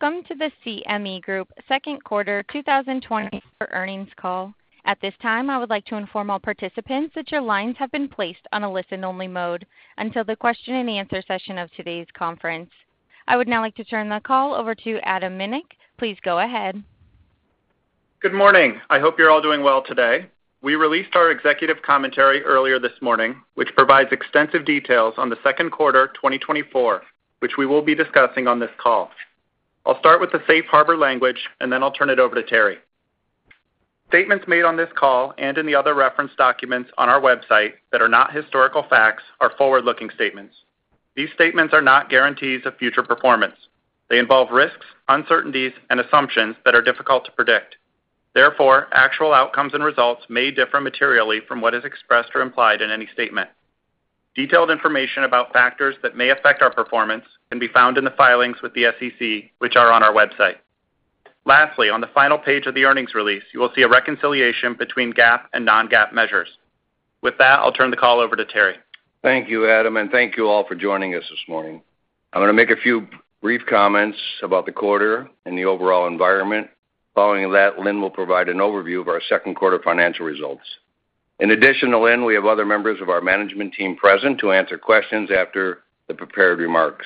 Welcome to the CME Group Q2 2024 Earnings Call. At this time, I would like to inform all participants that your lines have been placed on a listen-only mode until the question-and-answer session of today's conference. I would now like to turn the call over to Adam Minick. Please go ahead. Good morning. I hope you're all doing well today. We released our executive commentary earlier this morning, which provides extensive details on the Q2, 2024, which we will be discussing on this call. I'll start with the safe harbor language, and then I'll turn it over to Terry. Statements made on this call and in the other reference documents on our website that are not historical facts are forward-looking statements. These statements are not guarantees of future performance. They involve risks, uncertainties, and assumptions that are difficult to predict. Therefore, actual outcomes and results may differ materially from what is expressed or implied in any statement. Detailed information about factors that may affect our performance can be found in the filings with the SEC, which are on our website. Lastly, on the final page of the earnings release, you will see a reconciliation between GAAP and non-GAAP measures. With that, I'll turn the call over to Terry. Thank you, Adam, and thank you all for joining us this morning. I'm going to make a few brief comments about the quarter and the overall environment. Following that, Lynne will provide an overview of our Q2 financial results. In addition to Lynne, we have other members of our management team present to answer questions after the prepared remarks.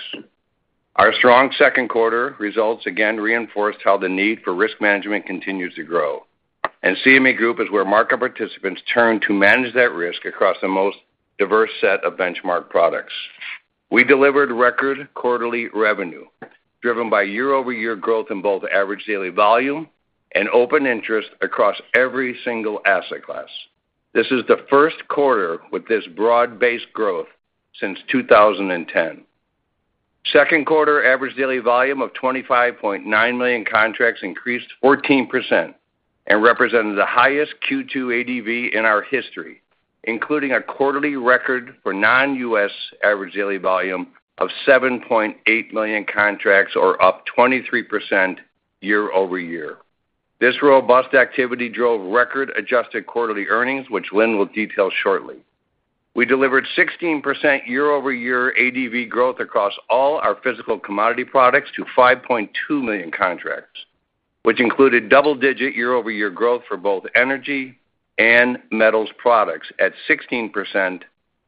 Our strong Q2 results again reinforced how the need for risk management continues to grow, and CME Group is where market participants turn to manage that risk across the most diverse set of benchmark products. We delivered record quarterly revenue, driven by year-over-year growth in both average daily volume and open interest across every single asset class. This is the Q1 with this broad-based growth since 2010. Q2 average daily volume of 25.9 million contracts increased 14% and represented the highest Q2 ADV in our history, including a quarterly record for non-US average daily volume of 7.8 million contracts, or up 23% year-over-year. This robust activity drove record-adjusted quarterly earnings, which Lynne will detail shortly. We delivered 16% year-over-year ADV growth across all our physical commodity products to 5.2 million contracts, which included double-digit year-over-year growth for both energy and metals products at 16%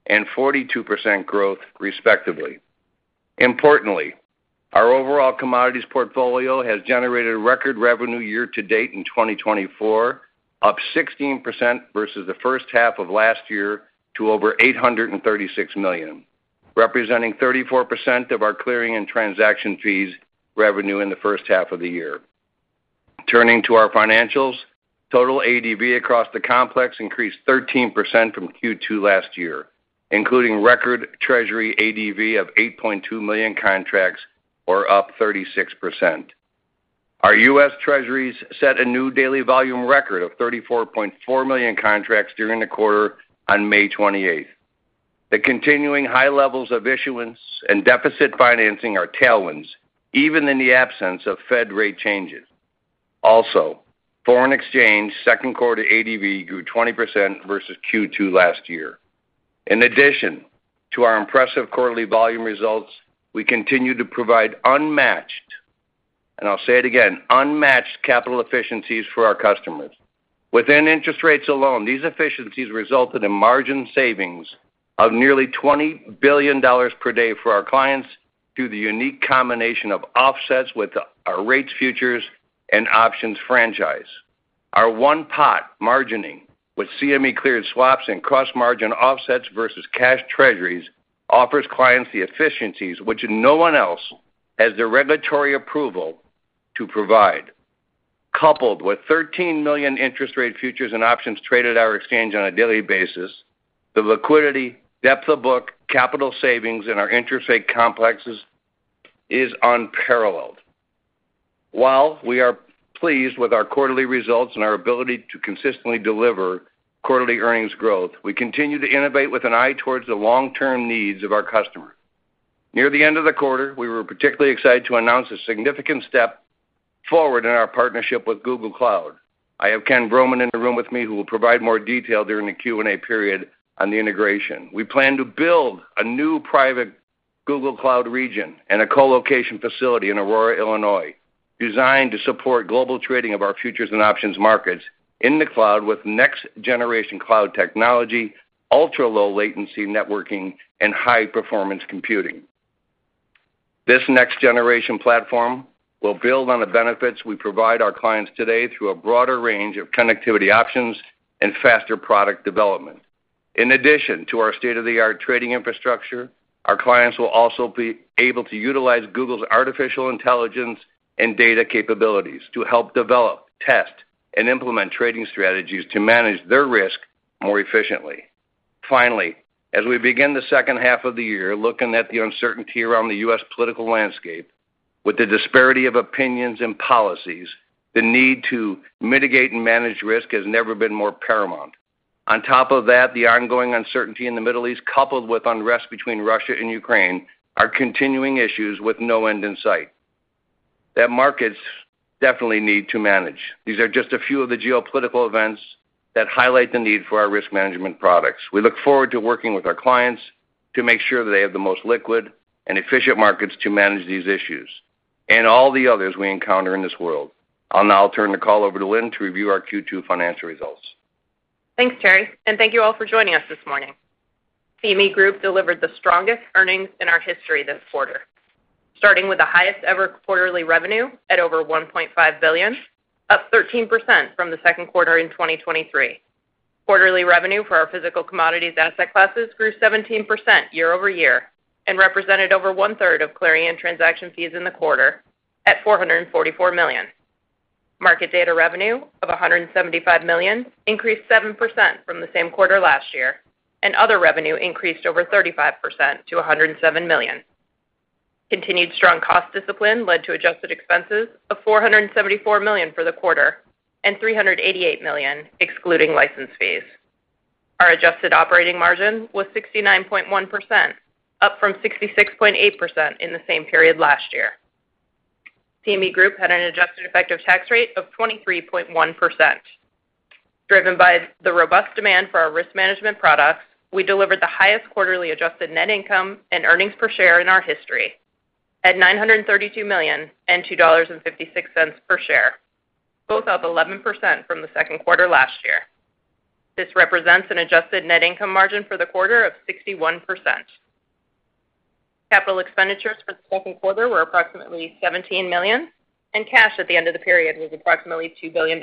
and 42% growth, respectively. Importantly, our overall commodities portfolio has generated record revenue year to date in 2024, up 16% versus the first half of last year to over $836 million, representing 34% of our clearing and transaction fees revenue in the first half of the year. Turning to our financials, total ADV across the complex increased 13% from Q2 last year, including record Treasury ADV of 8.2 million contracts or up 36%. Our US Treasuries set a new daily volume record of 34.4 million contracts during the quarter on May 28th. The continuing high levels of issuance and deficit financing are tailwinds, even in the absence of Fed rate changes. Also, foreign exchange Q2 ADV grew 20% versus Q2 last year. In addition to our impressive quarterly volume results, we continue to provide unmatched, and I'll say it again, unmatched capital efficiencies for our customers. Within interest rates alone, these efficiencies resulted in margin savings of nearly $20 billion per day for our clients through the unique combination of offsets with our rates, futures, and options franchise. Our one-pot margining with CME cleared swaps and cross-margin offsets versus cash Treasuries offers clients the efficiencies which no one else has the regulatory approval to provide. Coupled with 13 million interest rate futures and options traded at our exchange on a daily basis, the liquidity, depth of book, capital savings in our interest rate complexes is unparalleled. While we are pleased with our quarterly results and our ability to consistently deliver quarterly earnings growth, we continue to innovate with an eye towards the long-term needs of our customer. Near the end of the quarter, we were particularly excited to announce a significant step forward in our partnership with Google Cloud. I have Ken Vroman in the room with me, who will provide more detail during the Q&A period on the integration. We plan to build a new private Google Cloud region and a colocation facility in Aurora, Illinois, designed to support global trading of our futures and options markets in the cloud with next-generation cloud technology, ultra-low latency networking, and high-performance computing. This next-generation platform will build on the benefits we provide our clients today through a broader range of connectivity options and faster product development. In addition to our state-of-the-art trading infrastructure, our clients will also be able to utilize Google's artificial intelligence and data capabilities to help develop, test, and implement trading strategies to manage their risk more efficiently. Finally, as we begin the second half of the year, looking at the uncertainty around the U.S. political landscape, with the disparity of opinions and policies, the need to mitigate and manage risk has never been more paramount. On top of that, the ongoing uncertainty in the Middle East, coupled with unrest between Russia and Ukraine, are continuing issues with no end in sight. That markets definitely need to manage. These are just a few of the geopolitical events that highlight the need for our risk management products. We look forward to working with our clients to make sure that they have the most liquid and efficient markets to manage these issues and all the others we encounter in this world. I'll now turn the call over to Lynne to review our Q2 financial results. Thanks, Terry, and thank you all for joining us this morning. CME Group delivered the strongest earnings in our history this quarter, starting with the highest-ever quarterly revenue at over $1.5 billion, up 13% from the Q2 in 2023. Quarterly revenue for our physical commodities asset classes grew 17% year-over-year and represented over one-third of clearing and transaction fees in the quarter at $444 million. Market data revenue of $175 million increased 7% from the same quarter last year, and other revenue increased over 35% to $107 million. Continued strong cost discipline led to adjusted expenses of $474 million for the quarter and $388 million, excluding license fees. Our adjusted operating margin was 69.1%, up from 66.8% in the same period last year. CME Group had an adjusted effective tax rate of 23.1%. Driven by the robust demand for our risk management products, we delivered the highest quarterly adjusted net income and earnings per share in our history at $932 million and $2.56 per share, both up 11% from the Q2 last year. This represents an adjusted net income margin for the quarter of 61%. Capital expenditures for the Q2 were approximately $17 million, and cash at the end of the period was approximately $2 billion.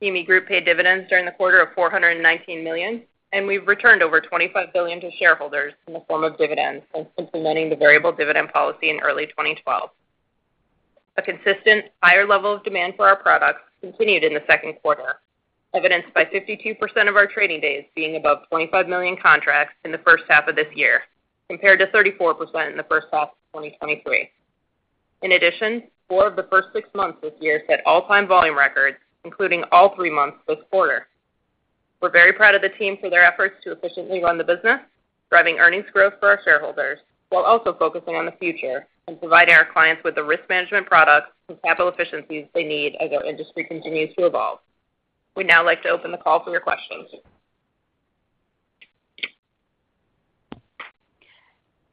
CME Group paid dividends during the quarter of $419 million, and we've returned over $25 billion to shareholders in the form of dividends since implementing the variable dividend policy in early 2012. A consistent higher level of demand for our products continued in the Q2, evidenced by 52% of our trading days being above 25 million contracts in the first half of this year, compared to 34% in the first half of 2023. In addition, 4 of the first 6 months this year set all-time volume records, including all 3 months this quarter. We're very proud of the team for their efforts to efficiently run the business, driving earnings growth for our shareholders, while also focusing on the future and providing our clients with the risk management products and capital efficiencies they need as our industry continues to evolve. We'd now like to open the call for your questions.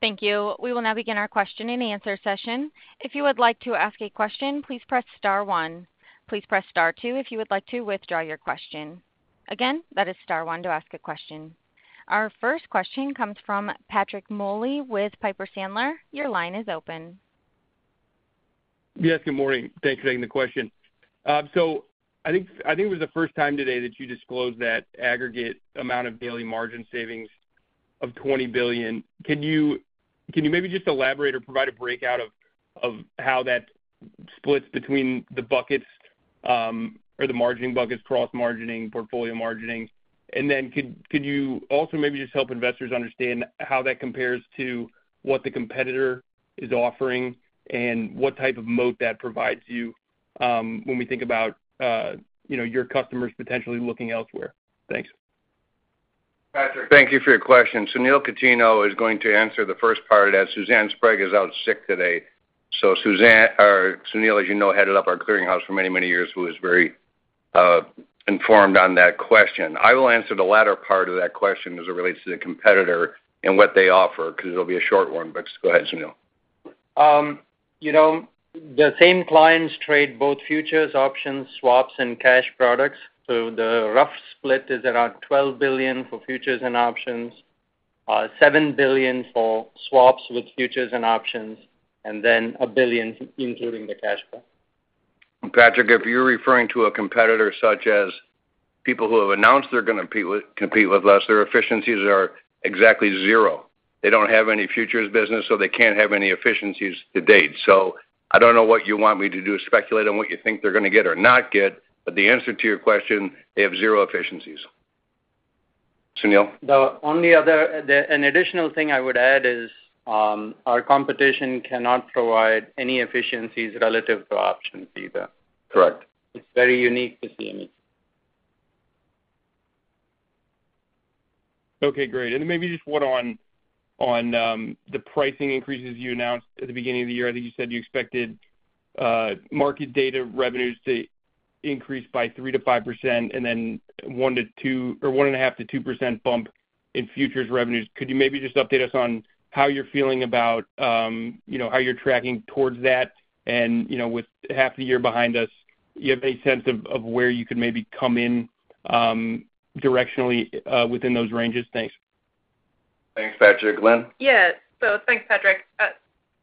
Thank you. We will now begin our question-and-answer session. If you would like to ask a question, please press star one. Please press star two if you would like to withdraw your question. Again, that is star one to ask a question. Our first question comes from Patrick Moley with Piper Sandler. Your line is open. Yes, good morning. Thanks for taking the question. So I think, I think it was the first time today that you disclosed that aggregate amount of daily margin savings of $20 billion. Can you, can you maybe just elaborate or provide a breakout of how that splits between the buckets, or the margining buckets, cross margining, portfolio margining? And then could, could you also maybe just help investors understand how that compares to what the competitor is offering and what type of moat that provides you, when we think about, you know, your customers potentially looking elsewhere? Thanks. Patrick, thank you for your question. Sunil Cutinho is going to answer the first part, as Suzanne Sprague is out sick today. So Suzanne-- or Sunil, as you know, headed up our clearinghouse for many, many years, who is very, informed on that question. I will answer the latter part of that question as it relates to the competitor and what they offer, because it'll be a short one, but go ahead, Sunil. You know, the same clients trade both futures, options, swaps, and cash products. So the rough split is around $12 billion for futures and options, $7 billion for swaps with futures and options, and then $1 billion, including the cash flow. Patrick, if you're referring to a competitor such as people who have announced they're going to compete with, compete with us, their efficiencies are exactly zero. They don't have any futures business, so they can't have any efficiencies to date. So I don't know what you want me to do, speculate on what you think they're going to get or not get, but the answer to your question, they have zero efficiencies. Sunil? An additional thing I would add is, our competition cannot provide any efficiencies relative to options either. Correct. It's very unique to CME. Okay, great. And maybe just one on the pricing increases you announced at the beginning of the year. I think you said you expected market data revenues to increase by 3%-5% and then 1%-2%-- or 1.5%-2% bump in futures revenues. Could you maybe just update us on how you're feeling about, you know, how you're tracking towards that? And, you know, with half the year behind us, do you have any sense of where you could maybe come in directionally within those ranges? Thanks. Thanks, Patrick. Lynne? Yeah. So thanks, Patrick.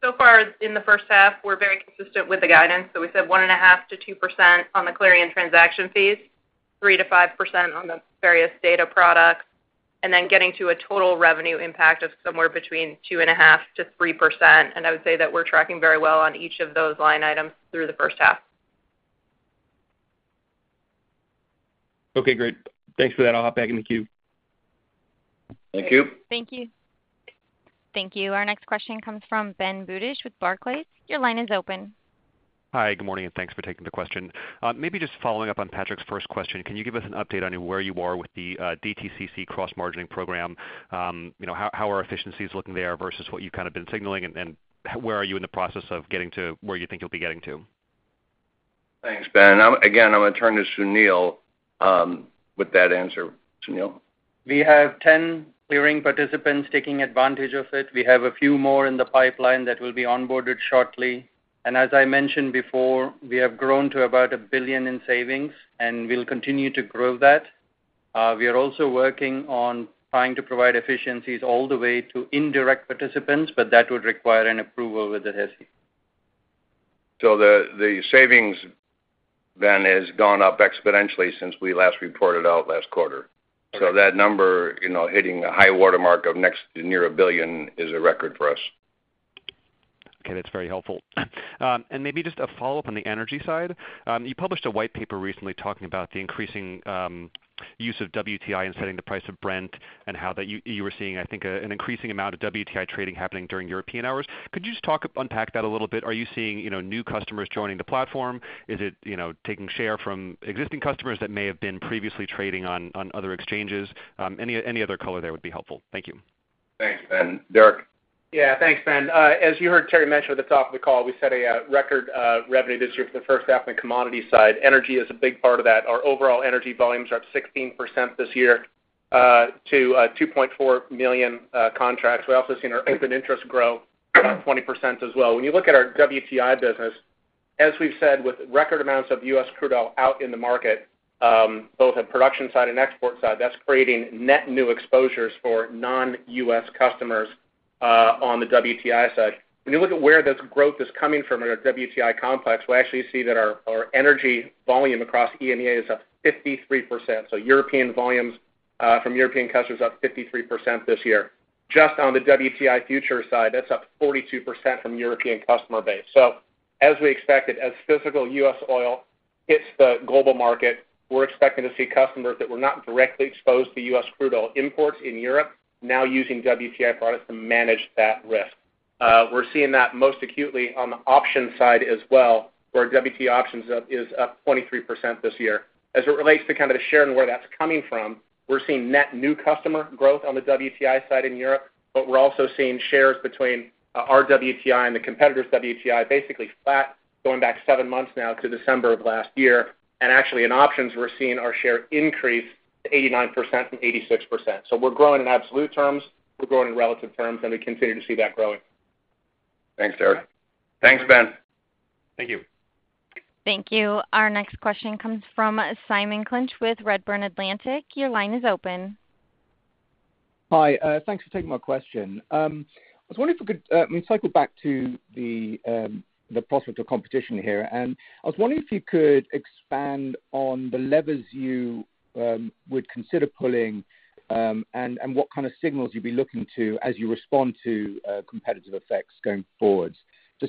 So far, in the first half, we're very consistent with the guidance. So we said 1.5%-2% on the clearing and transaction fees, 3%-5% on the various data products, and then getting to a total revenue impact of somewhere between 2.5%-3%. And I would say that we're tracking very well on each of those line items through the first half. Okay, great. Thanks for that. I'll hop back in the queue. Thank you. Thank you. Thank you. Our next question comes from Ben Budish with Barclays. Your line is open. Hi, good morning, and thanks for taking the question. Maybe just following up on Patrick's first question, can you give us an update on where you are with the DTCC cross-margining program? You know, how are efficiencies looking there versus what you've kind of been signaling, and where are you in the process of getting to where you think you'll be getting to?... Thanks, Ben. Again, I'm going to turn to Sunil with that answer. Sunil? We have 10 clearing participants taking advantage of it. We have a few more in the pipeline that will be onboarded shortly. And as I mentioned before, we have grown to about $1 billion in savings, and we'll continue to grow that. We are also working on trying to provide efficiencies all the way to indirect participants, but that would require an approval with the SEC. So the savings then has gone up exponentially since we last reported out last quarter. So that number, you know, hitting the high water mark of near $1 billion is a record for us. Okay, that's very helpful. And maybe just a follow-up on the energy side. You published a white paper recently talking about the increasing use of WTI in setting the price of Brent and how you were seeing, I think, an increasing amount of WTI trading happening during European hours. Could you just unpack that a little bit? Are you seeing, you know, new customers joining the platform? Is it, you know, taking share from existing customers that may have been previously trading on other exchanges? Any other color there would be helpful. Thank you. Thanks, Ben. Derek? Yeah, thanks, Ben. As you heard Terry mention at the top of the call, we set a record revenue this year for the first half in the commodity side. Energy is a big part of that. Our overall energy volumes are up 16% this year to 2.4 million contracts. We've also seen our open interest grow about 20% as well. When you look at our WTI business, as we've said, with record amounts of U.S. crude oil out in the market, both at production side and export side, that's creating net new exposures for non-U.S. customers on the WTI side. When you look at where this growth is coming from in our WTI complex, we actually see that our energy volume across EMEA is up 53%. So European volumes from European customers up 53% this year. Just on the WTI futures side, that's up 42% from European customer base. So as we expected, as physical U.S. oil hits the global market, we're expecting to see customers that were not directly exposed to U.S. crude oil imports in Europe, now using WTI products to manage that risk. We're seeing that most acutely on the options side as well, where WTI options is up 23% this year. As it relates to kind of the share and where that's coming from, we're seeing net new customer growth on the WTI side in Europe, but we're also seeing shares between our WTI and the competitor's WTI, basically flat, going back seven months now to December of last year. And actually, in options, we're seeing our share increase to 89% from 86%. We're growing in absolute terms, we're growing in relative terms, and we continue to see that growing. Thanks, Derek. Thanks, Ben. Thank you. Thank you. Our next question comes from Simon Clinch with Redburn Atlantic. Your line is open. Hi, thanks for taking my question. I was wondering if you could maybe cycle back to the prospect of competition here. And I was wondering if you could expand on the levers you would consider pulling, and what kind of signals you'd be looking to as you respond to competitive effects going forward.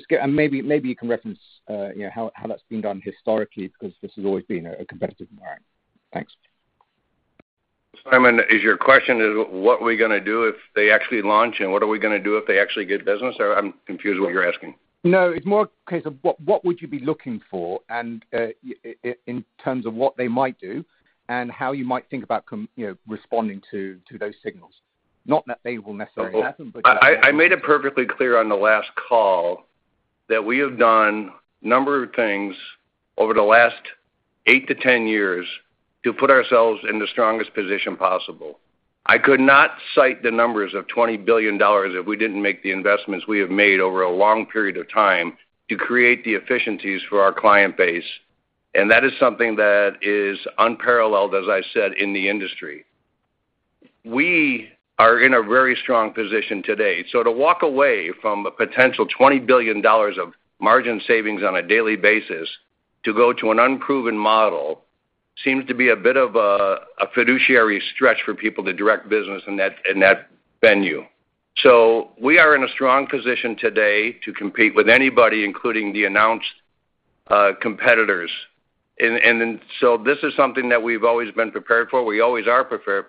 And maybe you can reference, you know, how that's been done historically, because this has always been a competitive environment. Thanks. Simon, is your question is, what are we going to do if they actually launch, and what are we going to do if they actually get business? Or I'm confused what you're asking. No, it's more a case of what, what would you be looking for, and, in terms of what they might do and how you might think about you know, responding to, to those signals? Not that they will necessarily happen, but- I made it perfectly clear on the last call that we have done a number of things over the last 8-10 years to put ourselves in the strongest position possible. I could not cite the numbers of $20 billion if we didn't make the investments we have made over a long period of time to create the efficiencies for our client base, and that is something that is unparalleled, as I said, in the industry. We are in a very strong position today, so to walk away from a potential $20 billion of margin savings on a daily basis to go to an unproven model seems to be a bit of a fiduciary stretch for people to direct business in that venue. So we are in a strong position today to compete with anybody, including the announced competitors. This is something that we've always been prepared for, we always are prepared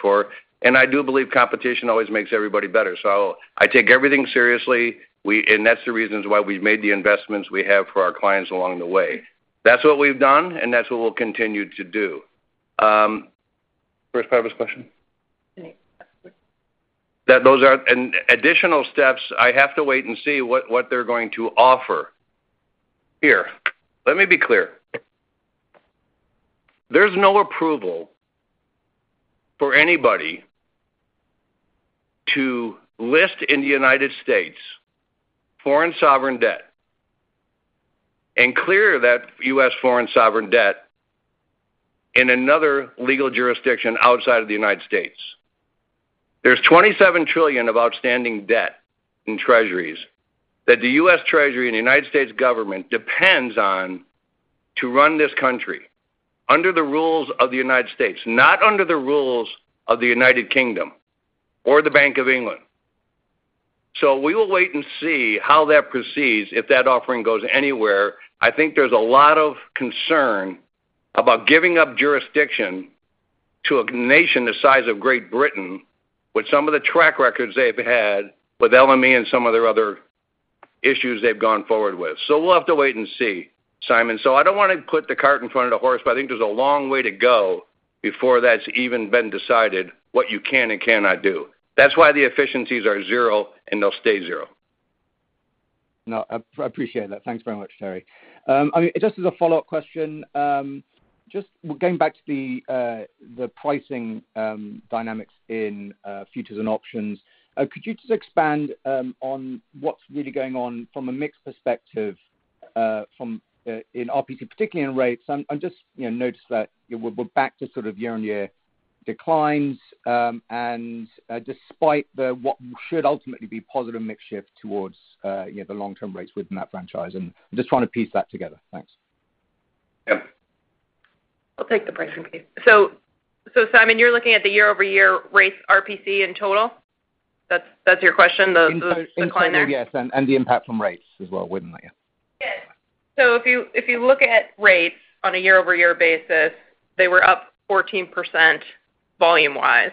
for, and I do believe competition always makes everybody better. So I take everything seriously. And that's the reasons why we've made the investments we have for our clients along the way. That's what we've done, and that's what we'll continue to do. First part of his question? An additional steps, I have to wait and see what, what they're going to offer. Here, let me be clear. There's no approval for anybody to list in the United States, foreign sovereign debt, and clear that U.S. foreign sovereign debt in another legal jurisdiction outside of the United States. There's $27 trillion of outstanding debt in Treasuries that the U.S. Treasury and the United States government depends on to run this country under the rules of the United States, not under the rules of the United Kingdom or the Bank of England. So we will wait and see how that proceeds, if that offering goes anywhere. I think there's a lot of concern about giving up jurisdiction to a nation the size of Great Britain, with some of the track records they've had with LME and some of their other issues they've gone forward with. We'll have to wait and see, Simon. I don't want to put the cart in front of the horse, but I think there's a long way to go... before that's even been decided what you can and cannot do. That's why the efficiencies are zero, and they'll stay zero. No, I, I appreciate that. Thanks very much, Terry. I mean, just as a follow-up question, just going back to the, the pricing dynamics in futures and options, could you just expand on what's really going on from a mix perspective, from in RPC, particularly in rates? I'm, I'm just, you know, noticed that, you know, we're, we're back to sort of year-on-year declines, and despite the what should ultimately be positive mix shift towards, you know, the long-term rates within that franchise. And I'm just trying to piece that together. Thanks. Yeah. I'll take the pricing piece. So, Simon, you're looking at the year-over-year rates RPC in total? That's your question, the decline there? Yes, and the impact from rates as well, wouldn't I, yeah? Yes. So if you, if you look at rates on a year-over-year basis, they were up 14% volume-wise.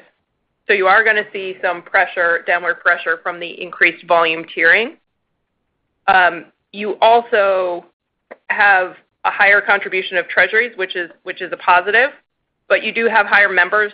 So you are gonna see some pressure, downward pressure from the increased volume tiering. You also have a higher contribution of Treasuries, which is, which is a positive, but you do have higher members,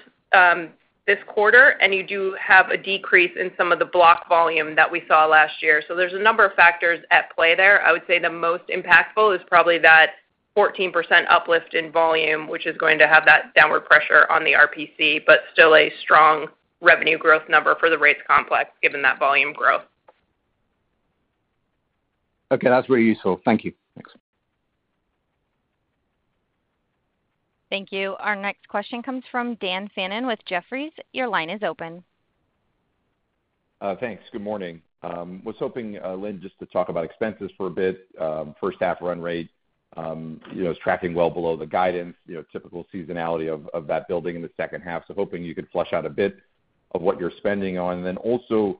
this quarter, and you do have a decrease in some of the block volume that we saw last year. So there's a number of factors at play there. I would say the most impactful is probably that 14% uplift in volume, which is going to have that downward pressure on the RPC, but still a strong revenue growth number for the rates complex, given that volume growth. Okay, that's really useful. Thank you. Thanks. Thank you. Our next question comes from Dan Fannon with Jefferies. Your line is open. Thanks. Good morning. Was hoping, Lynne, just to talk about expenses for a bit. First half run rate, you know, is tracking well below the guidance, you know, typical seasonality of that building in the second half. So hoping you could flush out a bit of what you're spending on. And then also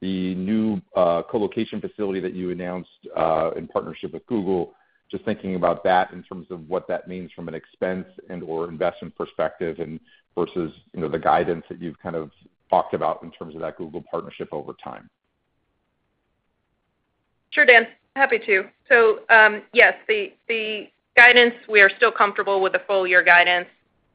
the new co-location facility that you announced in partnership with Google, just thinking about that in terms of what that means from an expense and/or investment perspective and versus, you know, the guidance that you've kind of talked about in terms of that Google partnership over time. Sure, Dan. Happy to. So, yes, the guidance, we are still comfortable with the full year guidance.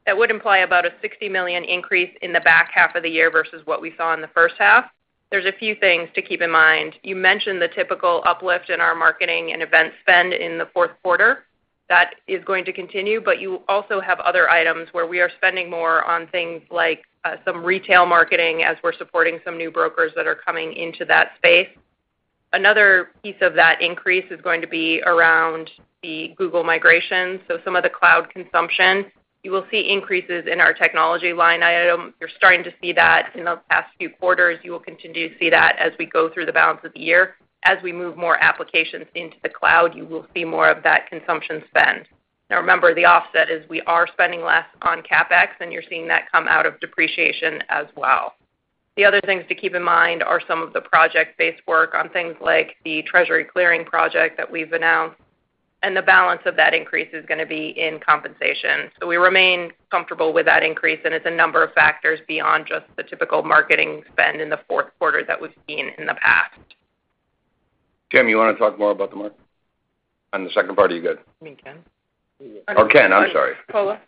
That would imply about a $60 million increase in the back half of the year versus what we saw in the first half. There's a few things to keep in mind. You mentioned the typical uplift in our marketing and event spend in the Q4. That is going to continue, but you also have other items where we are spending more on things like some retail marketing as we're supporting some new brokers that are coming into that space. Another piece of that increase is going to be around the Google migration, so some of the cloud consumption. You will see increases in our technology line item. You're starting to see that in the past few quarters. You will continue to see that as we go through the balance of the year. As we move more applications into the cloud, you will see more of that consumption spend. Now remember, the offset is we are spending less on CapEx, and you're seeing that come out of depreciation as well. The other things to keep in mind are some of the project-based work on things like the Treasury Clearing project that we've announced, and the balance of that increase is gonna be in compensation. So we remain comfortable with that increase, and it's a number of factors beyond just the typical marketing spend in the Q4 that we've seen in the past. Jim, you wanna talk more about the market? On the second part, are you good? You mean Ken? Or Ken, I'm sorry. Cola.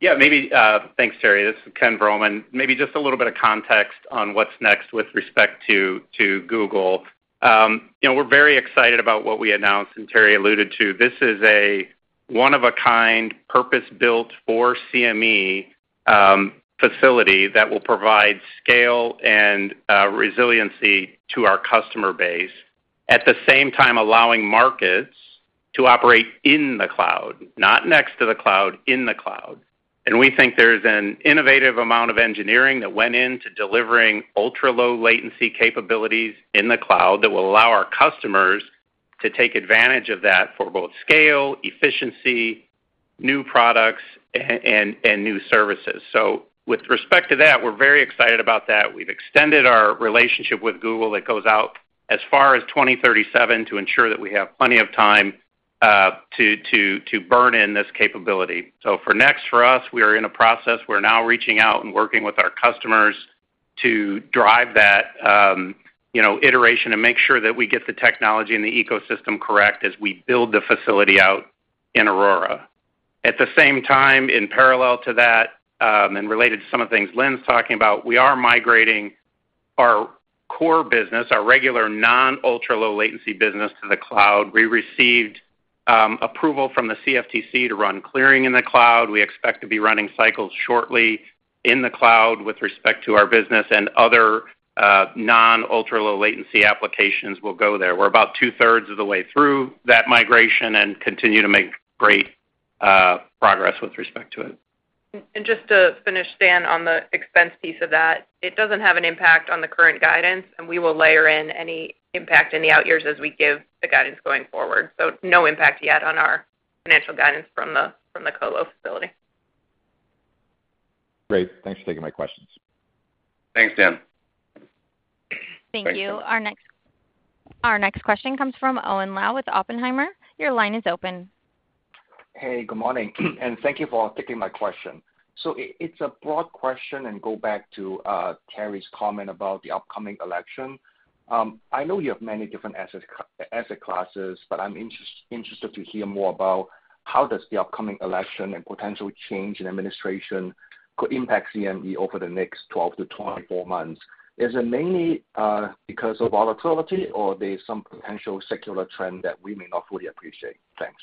Yeah, maybe... Thanks, Terry. This is Ken Vroman. Maybe just a little bit of context on what's next with respect to, to Google. You know, we're very excited about what we announced, and Terry alluded to. This is a one-of-a-kind, purpose-built for CME, facility that will provide scale and, resiliency to our customer base. At the same time, allowing markets to operate in the cloud, not next to the cloud, in the cloud. We think there's an innovative amount of engineering that went in to delivering ultra-low latency capabilities in the cloud that will allow our customers to take advantage of that for both scale, efficiency, new products, and new services. So with respect to that, we're very excited about that. We've extended our relationship with Google that goes out as far as 2037 to ensure that we have plenty of time to burn in this capability. So for next, for us, we are in a process. We're now reaching out and working with our customers to drive that, you know, iteration and make sure that we get the technology and the ecosystem correct as we build the facility out in Aurora. At the same time, in parallel to that, and related to some of the things Lynne's talking about, we are migrating our core business, our regular non-ultra-low latency business, to the cloud. We received approval from the CFTC to run clearing in the cloud. We expect to be running cycles shortly in the cloud with respect to our business and other non-ultra-low latency applications will go there. We're about two-thirds of the way through that migration and continue to make great progress with respect to it. And just to finish, Dan, on the expense piece of that, it doesn't have an impact on the current guidance, and we will layer in any impact in the out years as we give the guidance going forward. So no impact yet on our financial guidance from the co-lo facility. Great. Thanks for taking my questions. Thanks, Dan. Thank you. Our next question comes from Owen Lau with Oppenheimer. Your line is open. Hey, good morning, and thank you for taking my question. So it's a broad question, and go back to Terry's comment about the upcoming election. I know you have many different asset classes, but I'm interested to hear more about how does the upcoming election and potential change in administration could impact CME over the next 12-24 months? Is it mainly because of volatility, or there's some potential secular trend that we may not fully appreciate? Thanks.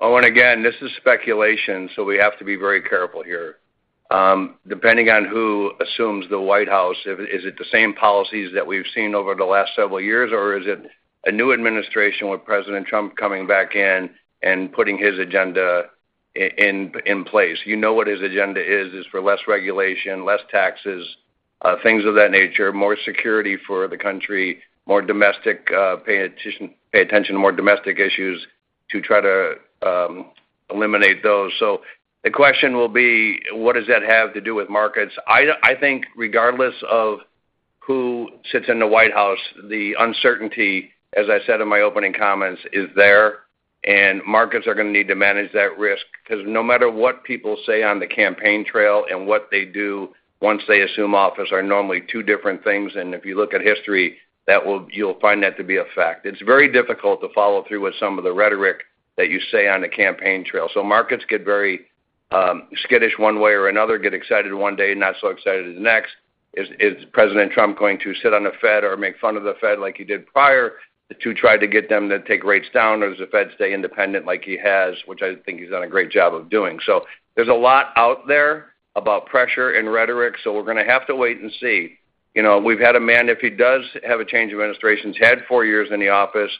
Oh, and again, this is speculation, so we have to be very careful here. Depending on who assumes the White House, if it is the same policies that we've seen over the last several years, or is it a new administration with President Trump coming back in and putting his agenda in place? You know what his agenda is for less regulation, less taxes, things of that nature, more security for the country, more domestic, pay attention to more domestic issues to try to eliminate those. So the question will be: What does that have to do with markets? I think regardless of who sits in the White House, the uncertainty, as I said in my opening comments, is there, and markets are gonna need to manage that risk. 'Cause no matter what people say on the campaign trail and what they do once they assume office, are normally two different things. And if you look at history, you'll find that to be a fact. It's very difficult to follow through with some of the rhetoric that you say on the campaign trail. So markets get very skittish one way or another, get excited one day, not so excited the next. Is President Trump going to sit on the Fed or make fun of the Fed like he did prior to try to get them to take rates down, or does the Fed stay independent like he has, which I think he's done a great job of doing? So there's a lot out there about pressure and rhetoric, so we're gonna have to wait and see. You know, we've had a man, if he does have a change of administrations, had four years in the office,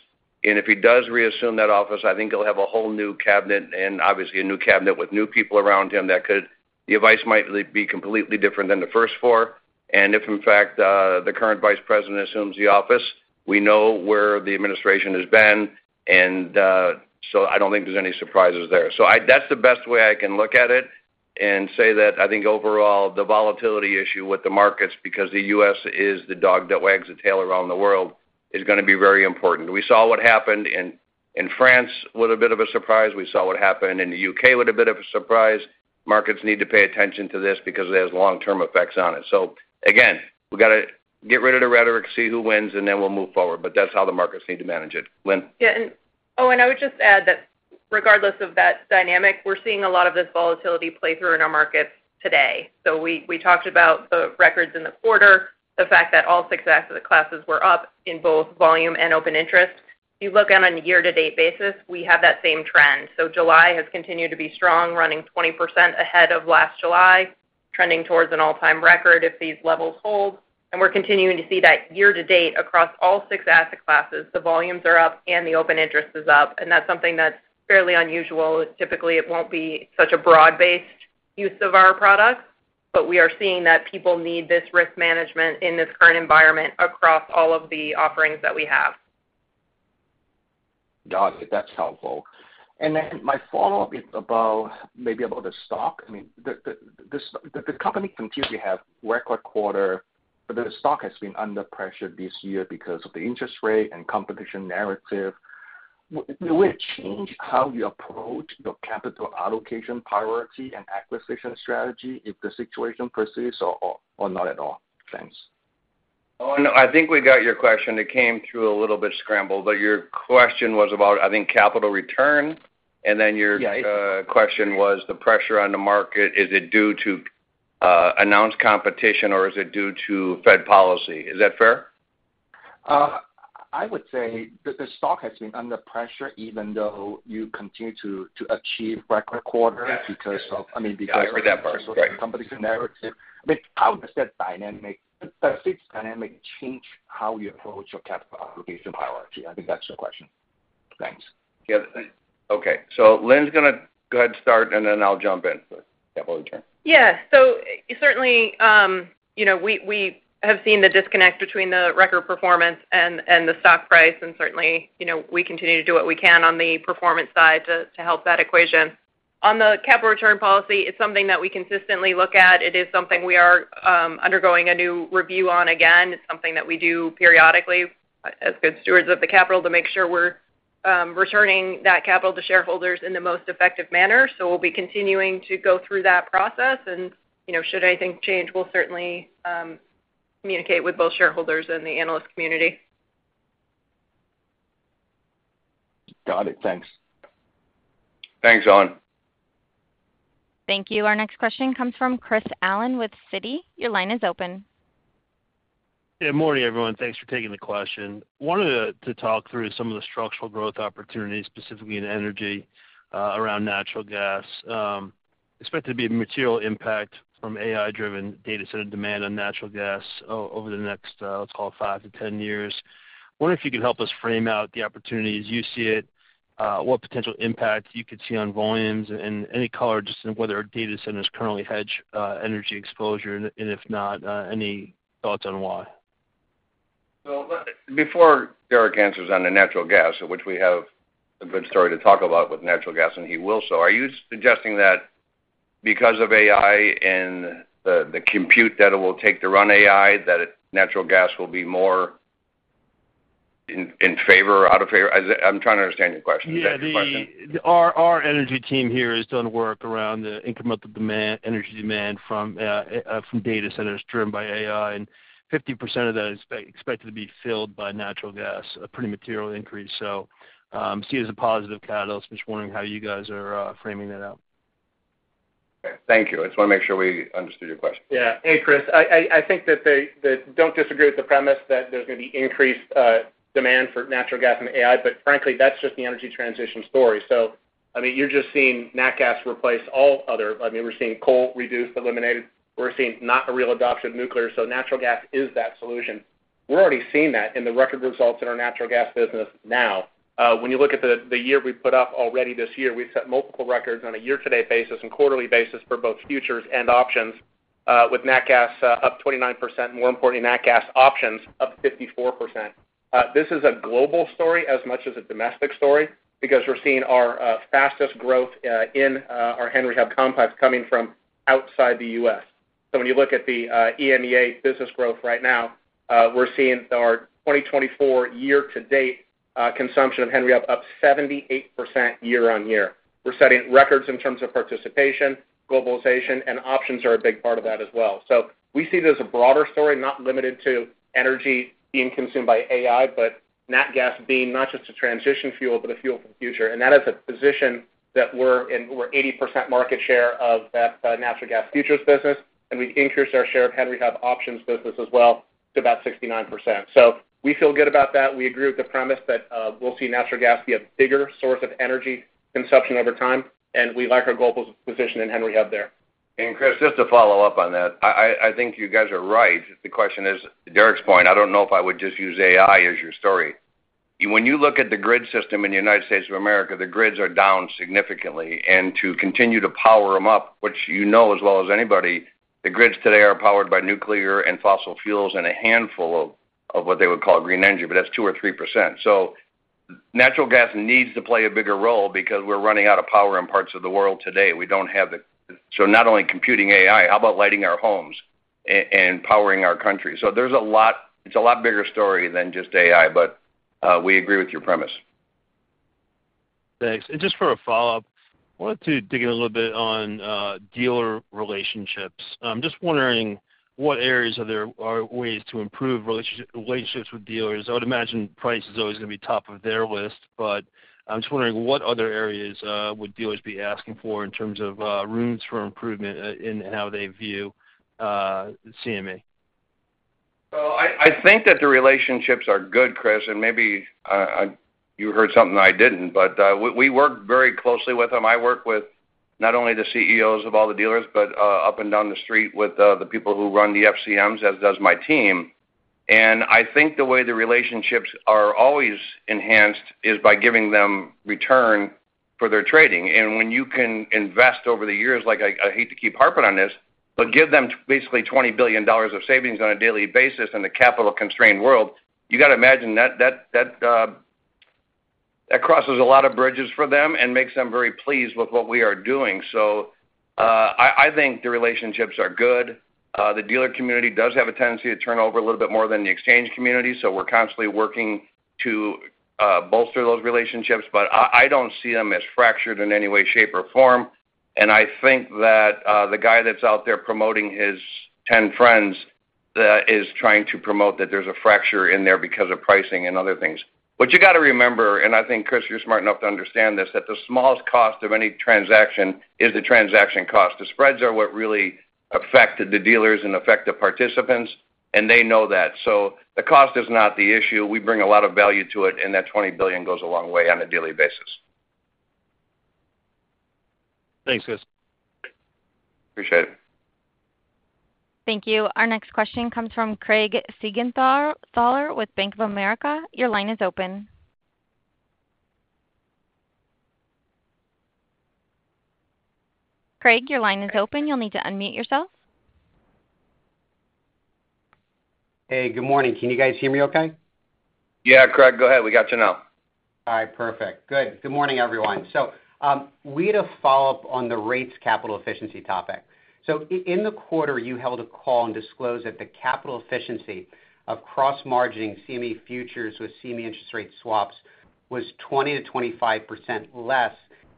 and if he does reassume that office, I think he'll have a whole new cabinet and obviously a new cabinet with new people around him that could. The advice might be completely different than the first four. And if, in fact, the current vice president assumes the office, we know where the administration has been, and, so I don't think there's any surprises there. So that's the best way I can look at it and say that I think overall, the volatility issue with the markets, because the U.S. is the dog that wags its tail around the world, is gonna be very important. We saw what happened in France with a bit of a surprise. We saw what happened in the UK with a bit of a surprise. Markets need to pay attention to this because it has long-term effects on it. So again, we gotta get rid of the rhetoric, see who wins, and then we'll move forward. But that's how the markets need to manage it. Lynne? Yeah, and... Oh, and I would just add that regardless of that dynamic, we're seeing a lot of this volatility play through in our markets today. So we talked about the records in the quarter, the fact that all six asset classes were up in both volume and open interest. If you look on a year-to-date basis, we have that same trend. So July has continued to be strong, running 20% ahead of last July, trending towards an all-time record if these levels hold. And we're continuing to see that year to date across all six asset classes, the volumes are up and the open interest is up, and that's something that's fairly unusual. Typically, it won't be such a broad-based use of our products, but we are seeing that people need this risk management in this current environment across all of the offerings that we have. Got it. That's helpful. And then my follow-up is about, maybe about the stock. I mean, the company continue to have record quarter, but the stock has been under pressure this year because of the interest rate and competition narrative. Will it change how you approach your capital allocation priority and acquisition strategy if the situation persists or not at all? Thanks. Oh, no, I think we got your question. It came through a little bit scrambled, but your question was about, I think, capital return, and then your- Yeah... question was the pressure on the market, is it due to announced competition, or is it due to Fed policy? Is that fair? I would say that the stock has been under pressure even though you continue to achieve record quarter- Yeah because of, I mean, because I heard that part, right? of the company's narrative. But how does that dynamic, this dynamic change how you approach your capital allocation priority? I think that's your question. Thanks. Yeah. Okay, so Lynne's gonna go ahead and start, and then I'll jump in. So capital return. Yeah. So certainly, you know, we have seen the disconnect between the record performance and the stock price, and certainly, you know, we continue to do what we can on the performance side to help that equation. On the capital return policy, it's something that we consistently look at. It is something we are undergoing a new review on again. It's something that we do periodically, as good stewards of the capital, to make sure we're returning that capital to shareholders in the most effective manner. So we'll be continuing to go through that process, and, you know, should anything change, we'll certainly communicate with both shareholders and the analyst community. Got it. Thanks. Thanks, Owen. Thank you. Our next question comes from Chris Allen with Citi. Your line is open. Yeah, morning, everyone. Thanks for taking the question. Wanted to talk through some of the structural growth opportunities, specifically in energy, around natural gas. Expect there to be a material impact from AI-driven data center demand on natural gas over the next, let's call it 5 to 10 years. Wonder if you could help us frame out the opportunities you see it, what potential impact you could see on volumes, and any color just on whether data centers currently hedge energy exposure, and if not, any thoughts on why? Well, before Derek answers on the natural gas, which we have a good story to talk about with natural gas, and he will, so are you suggesting that because of AI and the, the compute that it will take to run AI, that natural gas will be more in, in favor or out of favor? I'm trying to understand your question. Is that your question? Yeah, Our energy team here has done work around the incremental demand, energy demand from data centers driven by AI, and 50% of that is expected to be filled by natural gas, a pretty material increase. So, see it as a positive catalyst. Just wondering how you guys are framing that out. ... Thank you. I just want to make sure we understood your question. Yeah. Hey, Chris, I think that they don't disagree with the premise that there's going to be increased demand for natural gas and AI, but frankly, that's just the energy transition story. So I mean, you're just seeing nat gas replace all other- I mean, we're seeing coal reduced, eliminated. We're seeing not a real adoption of nuclear, so natural gas is that solution. We're already seeing that in the record results in our natural gas business now. When you look at the year we put up already this year, we've set multiple records on a year-to-date basis and quarterly basis for both futures and options, with nat gas up 29%, more importantly, nat gas options up 54%. This is a global story as much as a domestic story, because we're seeing our fastest growth in our Henry Hub complex coming from outside the U.S. So when you look at the EMEA business growth right now, we're seeing our 2024 year-to-date consumption of Henry Hub up 78% year-on-year. We're setting records in terms of participation, globalization, and options are a big part of that as well. So we see this as a broader story, not limited to energy being consumed by AI, but nat gas being not just a transition fuel, but a fuel for the future. And that is a position that we're in, we're 80% market share of that natural gas futures business, and we've increased our share of Henry Hub options business as well, to about 69%. So we feel good about that. We agree with the premise that we'll see natural gas be a bigger source of energy consumption over time, and we like our global position in Henry Hub there. And Chris, just to follow up on that, I think you guys are right. The question is, Derek's point, I don't know if I would just use AI as your story. When you look at the grid system in the United States of America, the grids are down significantly, and to continue to power them up, which you know as well as anybody, the grids today are powered by nuclear and fossil fuels and a handful of what they would call green energy, but that's 2% or 3%. So natural gas needs to play a bigger role because we're running out of power in parts of the world today. We don't have the. So not only computing AI, how about lighting our homes and powering our country? So there's a lot. It's a lot bigger story than just AI, but we agree with your premise. Thanks. And just for a follow-up, I wanted to dig in a little bit on dealer relationships. I'm just wondering what areas are there ways to improve relationships with dealers? I would imagine price is always going to be top of their list, but I'm just wondering what other areas would dealers be asking for in terms of rooms for improvement in how they view CME? Well, I think that the relationships are good, Chris, and maybe you heard something I didn't, but we work very closely with them. I work with not only the CEOs of all the dealers, but up and down the street with the people who run the FCMs, as does my team. And I think the way the relationships are always enhanced is by giving them return for their trading. And when you can invest over the years, like I hate to keep harping on this, but give them basically $20 billion of savings on a daily basis in the capital-constrained world, you got to imagine that that crosses a lot of bridges for them and makes them very pleased with what we are doing. So, I think the relationships are good. The dealer community does have a tendency to turn over a little bit more than the exchange community, so we're constantly working to bolster those relationships. But I, I don't see them as fractured in any way, shape, or form. And I think that the guy that's out there promoting his 10 friends is trying to promote that there's a fracture in there because of pricing and other things. What you got to remember, and I think, Chris, you're smart enough to understand this, that the smallest cost of any transaction is the transaction cost. The spreads are what really affected the dealers and affect the participants, and they know that. So the cost is not the issue. We bring a lot of value to it, and that 20 billion goes a long way on a daily basis. Thanks, Chris. Appreciate it. Thank you. Our next question comes from Craig Siegenthaler with Bank of America. Your line is open. Craig, your line is open. You'll need to unmute yourself. Hey, good morning. Can you guys hear me okay? Yeah, Craig, go ahead. We got you now. All right, perfect. Good. Good morning, everyone. So, we had a follow-up on the rates capital efficiency topic. So in the quarter, you held a call and disclosed that the capital efficiency of cross-margining CME futures with CME interest rate swaps was 20%-25% less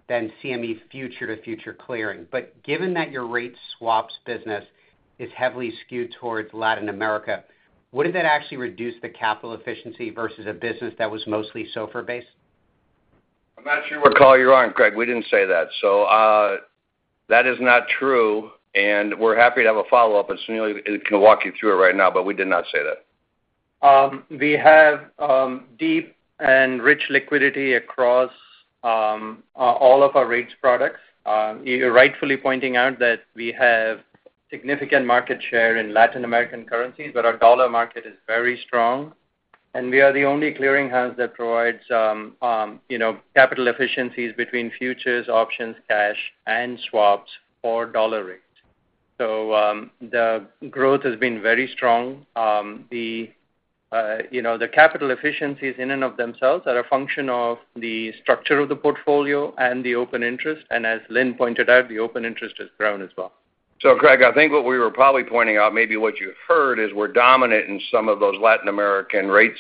than CME futures to futures clearing. But given that your rate swaps business is heavily skewed towards Latin America, would that actually reduce the capital efficiency versus a business that was mostly SOFR-based? I'm not sure what call you're on, Craig. We didn't say that. So, that is not true, and we're happy to have a follow-up, and Sunil can walk you through it right now, but we did not say that. We have deep and rich liquidity across all of our rates products. You're rightfully pointing out that we have significant market share in Latin American currencies, but our dollar market is very strong, and we are the only clearinghouse that provides, you know, capital efficiencies between futures, options, cash, and swaps for dollar rates. So, the growth has been very strong. You know, the capital efficiencies in and of themselves are a function of the structure of the portfolio and the open interest, and as Lynne pointed out, the open interest has grown as well. So, Craig, I think what we were probably pointing out, maybe what you heard, is we're dominant in some of those Latin American rates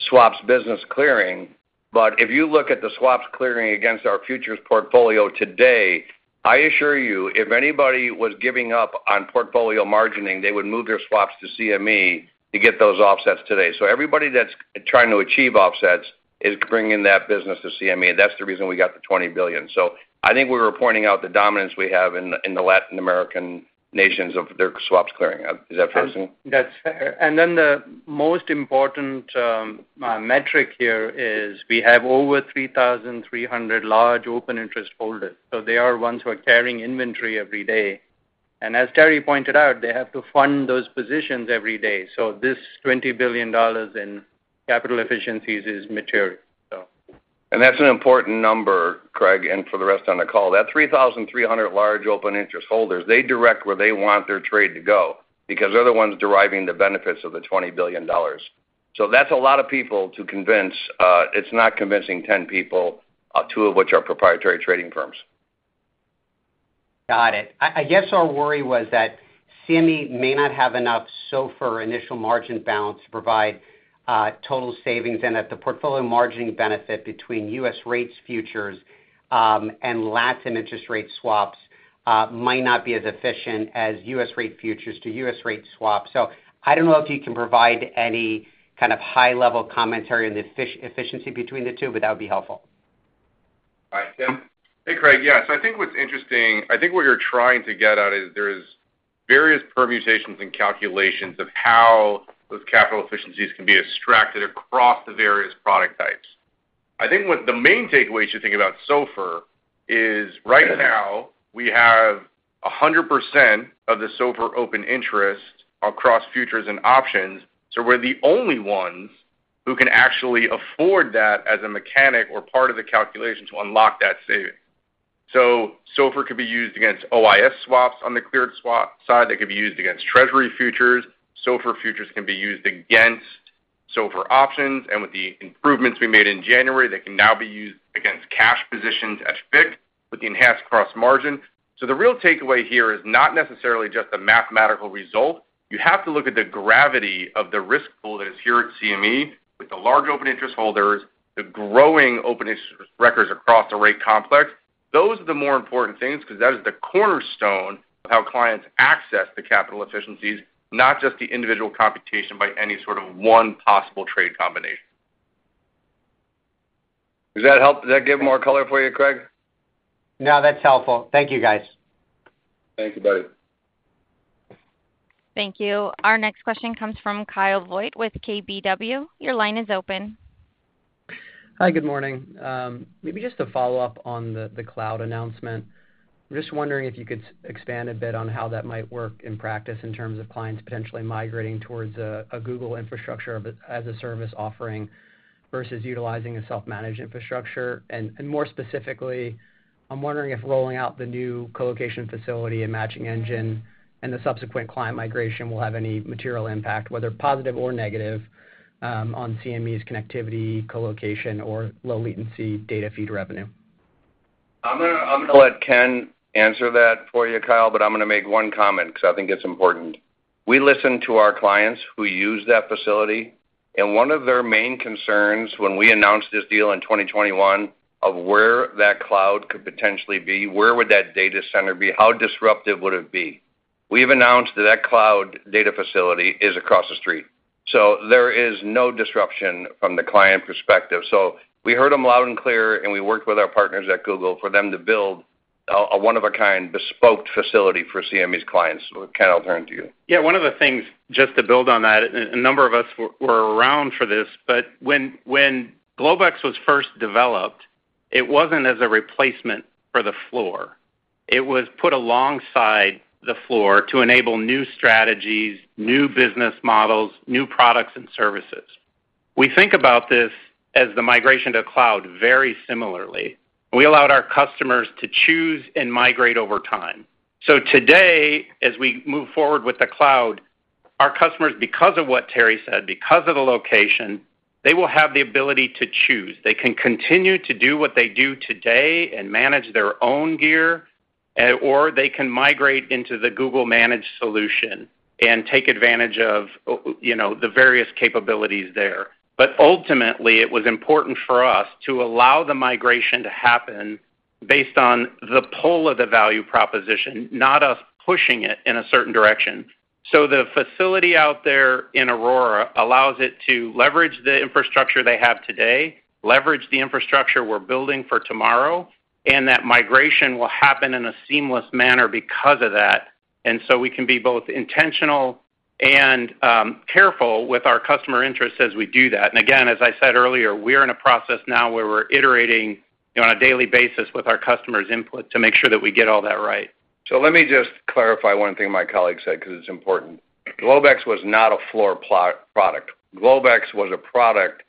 swaps business clearing. But if you look at the swaps clearing against our futures portfolio today, I assure you, if anybody was giving up on portfolio margining, they would move their swaps to CME to get those offsets today. So everybody that's trying to achieve offsets is bringing that business to CME. That's the reason we got the $20 billion. So I think we were pointing out the dominance we have in, in the Latin American nations of their swaps clearing. Is that fair, Sunil? That's fair. And then the most important metric here is we have over 3,300 Large Open Interest Holders, so they are ones who are carrying inventory every day. And as Terry pointed out, they have to fund those positions every day. So this $20 billion in capital efficiencies is material, so. And that's an important number, Craig, and for the rest on the call. That 3,300 large open interest holders, they direct where they want their trade to go because they're the ones deriving the benefits of the $20 billion. So that's a lot of people to convince. It's not convincing 10 people, 2 of which are proprietary trading firms. Got it. I, I guess our worry was that CME may not have enough SOFR initial margin balance to provide total savings, and that the portfolio margining benefit between U.S. rates futures and Latin interest rate swaps might not be as efficient as U.S. rate futures to U.S. rate swaps. So I don't know if you can provide any kind of high-level commentary on the efficiency between the two, but that would be helpful. All right. Tim? Hey, Craig. Yeah, so I think what's interesting—I think what you're trying to get at is there's various permutations and calculations of how those capital efficiencies can be extracted across the various product types. I think what the main takeaway to think about SOFR is, right now, we have 100% of the SOFR open interest across futures and options, so we're the only ones who can actually afford that as a mechanism or part of the calculation to unlock that savings. So SOFR could be used against OIS swaps on the cleared swap side, they could be used against Treasury futures. SOFR futures can be used against SOFR options, and with the improvements we made in January, they can now be used against cash positions at FICC with the enhanced cross margin. So the real takeaway here is not necessarily just the mathematical result. You have to look at the gravity of the risk holders here at CME with the large open interest holders, the growing open interest records across the rate complex. Those are the more important things because that is the cornerstone of how clients access the capital efficiencies, not just the individual computation by any sort of one possible trade combination. Does that help? Does that give more color for you, Craig? No, that's helpful. Thank you, guys. Thank you, buddy. Thank you. Our next question comes from Kyle Voigt with KBW. Your line is open. Hi, good morning. Maybe just to follow up on the cloud announcement. I'm just wondering if you could expand a bit on how that might work in practice in terms of clients potentially migrating towards a Google infrastructure of it as a service offering versus utilizing a self-managed infrastructure. And more specifically, I'm wondering if rolling out the new colocation facility and matching engine and the subsequent client migration will have any material impact, whether positive or negative, on CME's connectivity, colocation, or low latency data feed revenue. I'm gonna let Ken answer that for you, Kyle, but I'm gonna make one comment 'cause I think it's important. We listen to our clients who use that facility, and one of their main concerns when we announced this deal in 2021 of where that cloud could potentially be, where would that data center be? How disruptive would it be? We've announced that that cloud data facility is across the street, so there is no disruption from the client perspective. So we heard them loud and clear, and we worked with our partners at Google for them to build a one-of-a-kind, bespoke facility for CME's clients. Ken, I'll turn to you. Yeah, one of the things, just to build on that, a number of us were around for this, but when Globex was first developed, it wasn't as a replacement for the floor. It was put alongside the floor to enable new strategies, new business models, new products and services. We think about this as the migration to cloud very similarly. We allowed our customers to choose and migrate over time. So today, as we move forward with the cloud, our customers, because of what Terry said, because of the location, they will have the ability to choose. They can continue to do what they do today and manage their own gear, or they can migrate into the Google managed solution and take advantage of, you know, the various capabilities there. Ultimately, it was important for us to allow the migration to happen based on the pull of the value proposition, not us pushing it in a certain direction. The facility out there in Aurora allows it to leverage the infrastructure they have today, leverage the infrastructure we're building for tomorrow, and that migration will happen in a seamless manner because of that. We can be both intentional and careful with our customer interests as we do that. Again, as I said earlier, we're in a process now where we're iterating, you know, on a daily basis with our customers' input to make sure that we get all that right. So let me just clarify one thing my colleague said, 'cause it's important. Globex was not a floor-based product. Globex was a product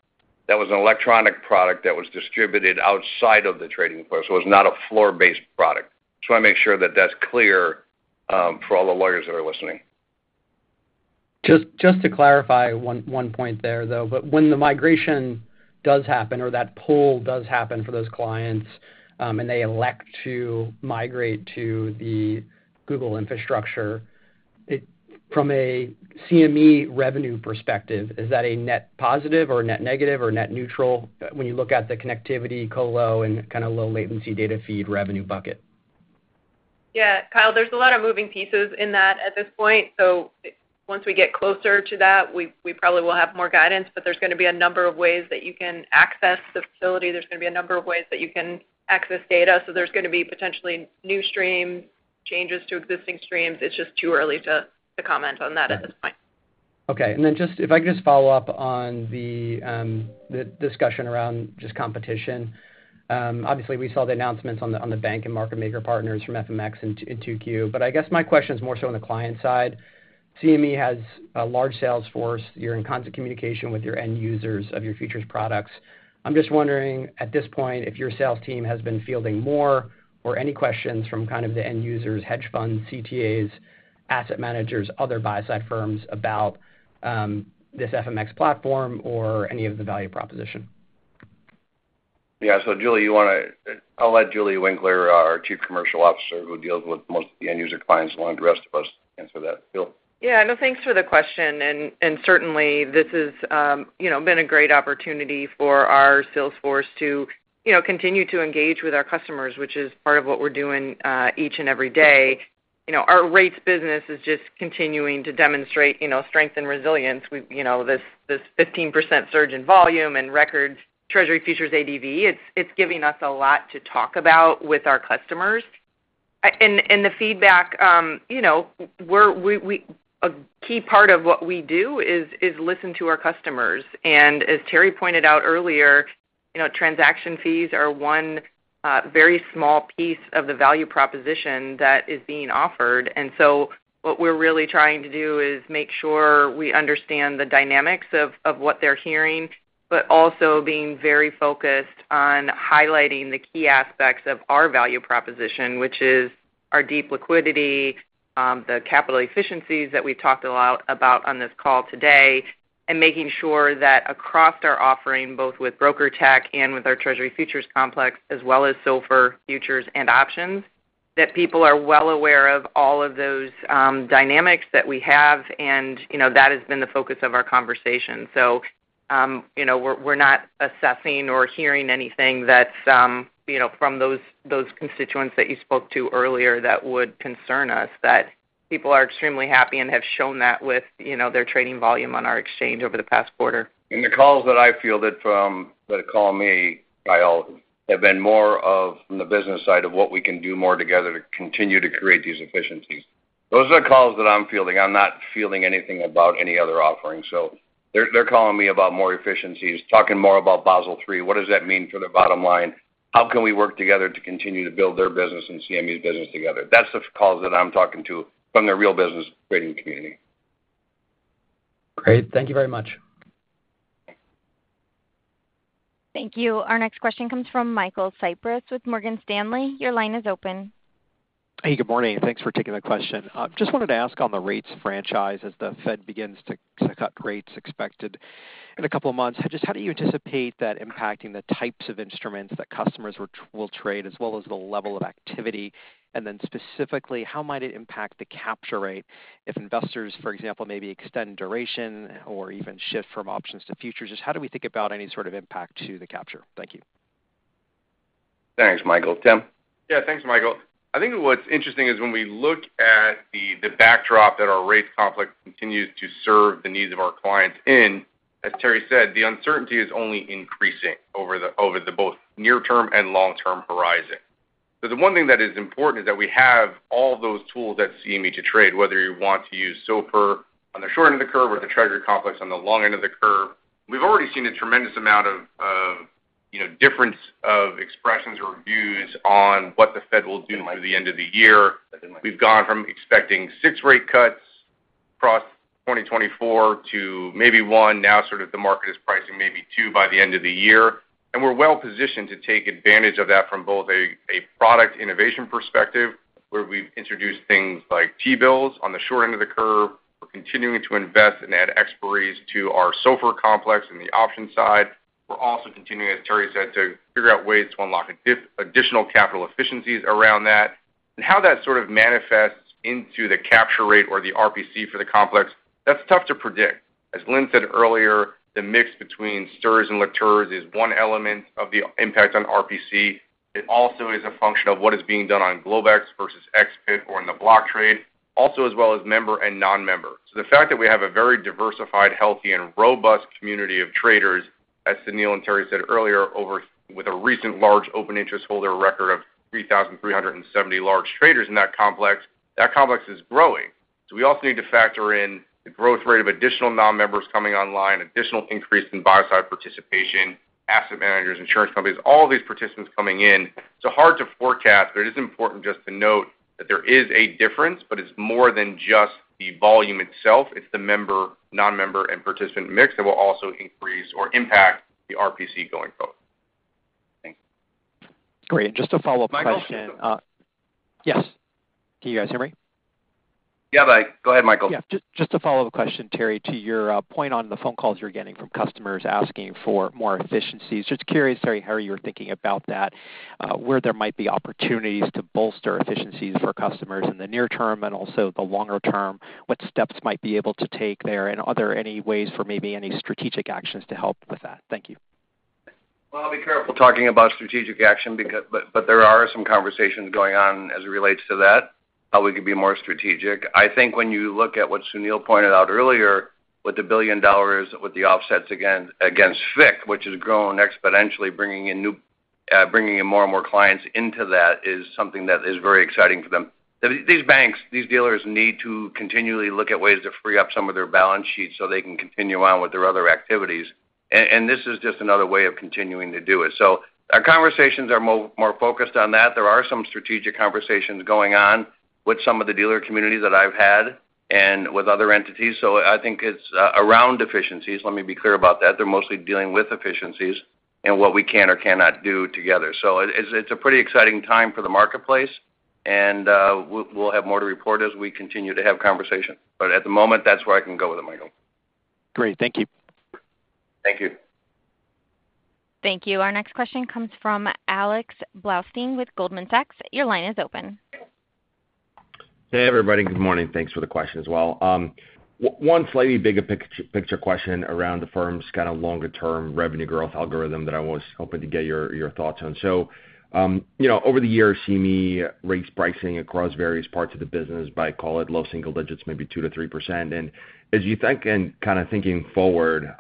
that was an electronic product that was distributed outside of the trading floor, so it was not a floor-based product. Just want to make sure that that's clear, for all the lawyers that are listening. ... Just to clarify one point there, though, but when the migration does happen or that pull does happen for those clients, and they elect to migrate to the Google infrastructure, it, from a CME revenue perspective, is that a net positive or a net negative or net neutral, when you look at the connectivity, colo, and kind of low latency data feed revenue bucket? Yeah, Kyle, there's a lot of moving pieces in that at this point. So once we get closer to that, we probably will have more guidance, but there's gonna be a number of ways that you can access the facility. There's gonna be a number of ways that you can access data. So there's gonna be potentially new stream, changes to existing streams. It's just too early to comment on that at this point. Okay. And then just if I could just follow up on the discussion around just competition. Obviously, we saw the announcements on the bank and market maker partners from FMX in 2Q. But I guess my question is more so on the client side. CME has a large sales force. You're in constant communication with your end users of your futures products. I'm just wondering, at this point, if your sales team has been fielding more or any questions from kind of the end users, hedge funds, CTAs, asset managers, other buy-side firms, about this FMX platform or any of the value proposition? Yeah. So Julie, you wanna—I'll let Julie Winkler, our Chief Commercial Officer, who deals with most of the end user clients, why don't the rest of us answer that? Julie. Yeah. No, thanks for the question, and certainly, this is, you know, been a great opportunity for our sales force to, you know, continue to engage with our customers, which is part of what we're doing, each and every day. You know, our rates business is just continuing to demonstrate, you know, strength and resilience. We, you know, this 15% surge in volume and record Treasury Futures ADV, it's giving us a lot to talk about with our customers. And the feedback, you know, we're a key part of what we do is listen to our customers. And as Terry pointed out earlier, you know, transaction fees are one very small piece of the value proposition that is being offered. So what we're really trying to do is make sure we understand the dynamics of what they're hearing, but also being very focused on highlighting the key aspects of our value proposition, which is our deep liquidity, the capital efficiencies that we talked a lot about on this call today, and making sure that across our offering, both with BrokerTec and with our Treasury Futures complex, as well as SOFR futures and options, that people are well aware of all of those dynamics that we have, and, you know, that has been the focus of our conversation. So, you know, we're not assessing or hearing anything that's, you know, from those constituents that you spoke to earlier that would concern us, that people are extremely happy and have shown that with, you know, their trading volume on our exchange over the past quarter. In the calls that I fielded from those that call me, Kyle, have been more from the business side of what we can do more together to continue to create these efficiencies. Those are the calls that I'm fielding. I'm not fielding anything about any other offerings. So they're calling me about more efficiencies, talking more about Basel III. What does that mean for the bottom line? How can we work together to continue to build their business and CME's business together? That's the calls that I'm taking from the real business trading community. Great. Thank you very much. Thank you. Our next question comes from Michael Cyprys with Morgan Stanley. Your line is open. Hey, good morning. Thanks for taking the question. I just wanted to ask on the rates franchise, as the Fed begins to, to cut rates expected in a couple of months, just how do you anticipate that impacting the types of instruments that customers will, will trade, as well as the level of activity? And then specifically, how might it impact the capture rate if investors, for example, maybe extend duration or even shift from options to futures? Just how do we think about any sort of impact to the capture? Thank you. Thanks, Michael. Tim? Yeah, thanks, Michael. I think what's interesting is when we look at the backdrop that our rate complex continues to serve the needs of our clients in, as Terry said, the uncertainty is only increasing over the both near term and long-term horizon. But the one thing that is important is that we have all those tools at CME to trade, whether you want to use SOFR on the short end of the curve or the Treasury complex on the long end of the curve. We've already seen a tremendous amount of you know difference of expressions or views on what the Fed will do by the end of the year. We've gone from expecting six rate cuts across 2024 to maybe one. Now, sort of the market is pricing maybe two by the end of the year. And we're well positioned to take advantage of that from both a product innovation perspective, where we've introduced things like T-bills on the short end of the curve. We're continuing to invest and add expiries to our SOFR complex and the option side. We're also continuing, as Terry said, to figure out ways to unlock additional capital efficiencies around that. And how that sort of manifests into the capture rate or the RPC for the complex, that's tough to predict. As Lynne said earlier, the mix between STIRs and LTIRs is one element of the impact on RPC. It also is a function of what is being done on Globex versus pit or in the block trade, as well as member and non-member. So the fact that we have a very diversified, healthy and robust community of traders, as Sunil and Terry said earlier, with a recent large open interest holder record of 3,370 large traders in that complex, that complex is growing. So we also need to factor in the growth rate of additional non-members coming online, additional increase in buy-side participation, asset managers, insurance companies, all of these participants coming in. It's hard to forecast, but it is important just to note that there is a difference, but it's more than just the volume itself. It's the member, non-member, and participant mix that will also increase or impact the RPC going forward. Thanks.... Great. Just a follow-up question- Michael? Yes. Can you guys hear me? Yeah, bye. Go ahead, Michael. Yeah, just, just a follow-up question, Terry, to your point on the phone calls you're getting from customers asking for more efficiencies. Just curious, Terry, how you were thinking about that, where there might be opportunities to bolster efficiencies for customers in the near term and also the longer term? What steps might be able to take there, and are there any ways for maybe any strategic actions to help with that? Thank you. Well, I'll be careful talking about strategic action because, but, but there are some conversations going on as it relates to that, how we could be more strategic. I think when you look at what Sunil pointed out earlier, with the $1 billion, with the offsets again, against FICC, which has grown exponentially, bringing in new, bringing in more and more clients into that is something that is very exciting for them. These banks, these dealers need to continually look at ways to free up some of their balance sheets so they can continue on with their other activities. And this is just another way of continuing to do it. So our conversations are more focused on that. There are some strategic conversations going on with some of the dealer communities that I've had and with other entities. So I think it's around efficiencies. Let me be clear about that. They're mostly dealing with efficiencies and what we can or cannot do together. So it's a pretty exciting time for the marketplace, and we'll have more to report as we continue to have conversations. But at the moment, that's where I can go with it, Michael. Great. Thank you. Thank you. Thank you. Our next question comes from Alexander Blostein with Goldman Sachs. Your line is open. Hey, everybody. Good morning. Thanks for the question as well. One slightly bigger picture question around the firm's kind of longer-term revenue growth algorithm that I was hoping to get your, your thoughts on. So, you know, over the years, CME raised pricing across various parts of the business by, call it, low single digits, maybe 2%-3%. And as you think and kind of thinking forward,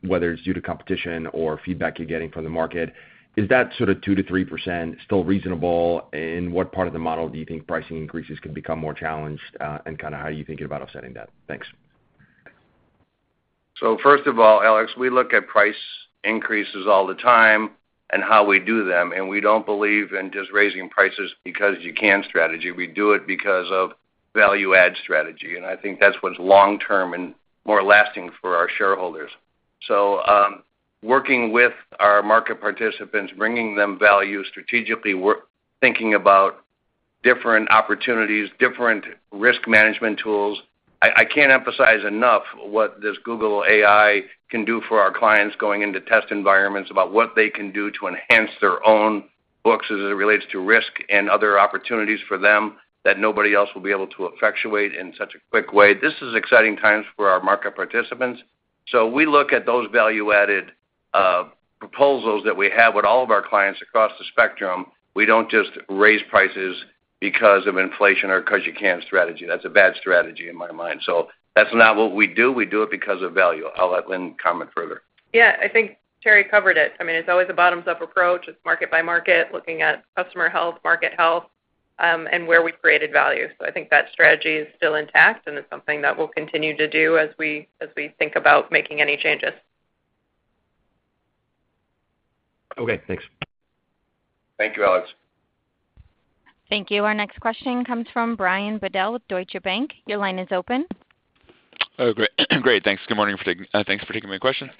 whether it's due to competition or feedback you're getting from the market, is that sort of 2%-3% still reasonable? And what part of the model do you think pricing increases could become more challenged, and kind of how are you thinking about offsetting that? Thanks. So first of all, Alex, we look at price increases all the time and how we do them, and we don't believe in just raising prices because you can strategy. We do it because of value add strategy, and I think that's what's long-term and more lasting for our shareholders. So, working with our market participants, bringing them value strategically, we're thinking about different opportunities, different risk management tools. I, I can't emphasize enough what this Google AI can do for our clients going into test environments, about what they can do to enhance their own books as it relates to risk and other opportunities for them that nobody else will be able to effectuate in such a quick way. This is exciting times for our market participants. So we look at those value-added proposals that we have with all of our clients across the spectrum. We don't just raise prices because of inflation or because you can strategy. That's a bad strategy in my mind. So that's not what we do. We do it because of value. I'll let Lynne comment further. Yeah. I think Terry covered it. I mean, it's always a bottoms-up approach. It's market by market, looking at customer health, market health, and where we've created value. So I think that strategy is still intact, and it's something that we'll continue to do as we think about making any changes. Okay, thanks. Thank you, Alex. Thank you. Our next question comes from Brian Bedell with Deutsche Bank. Your line is open. Oh, great. Great, thanks. Good morning. Thanks for taking my question.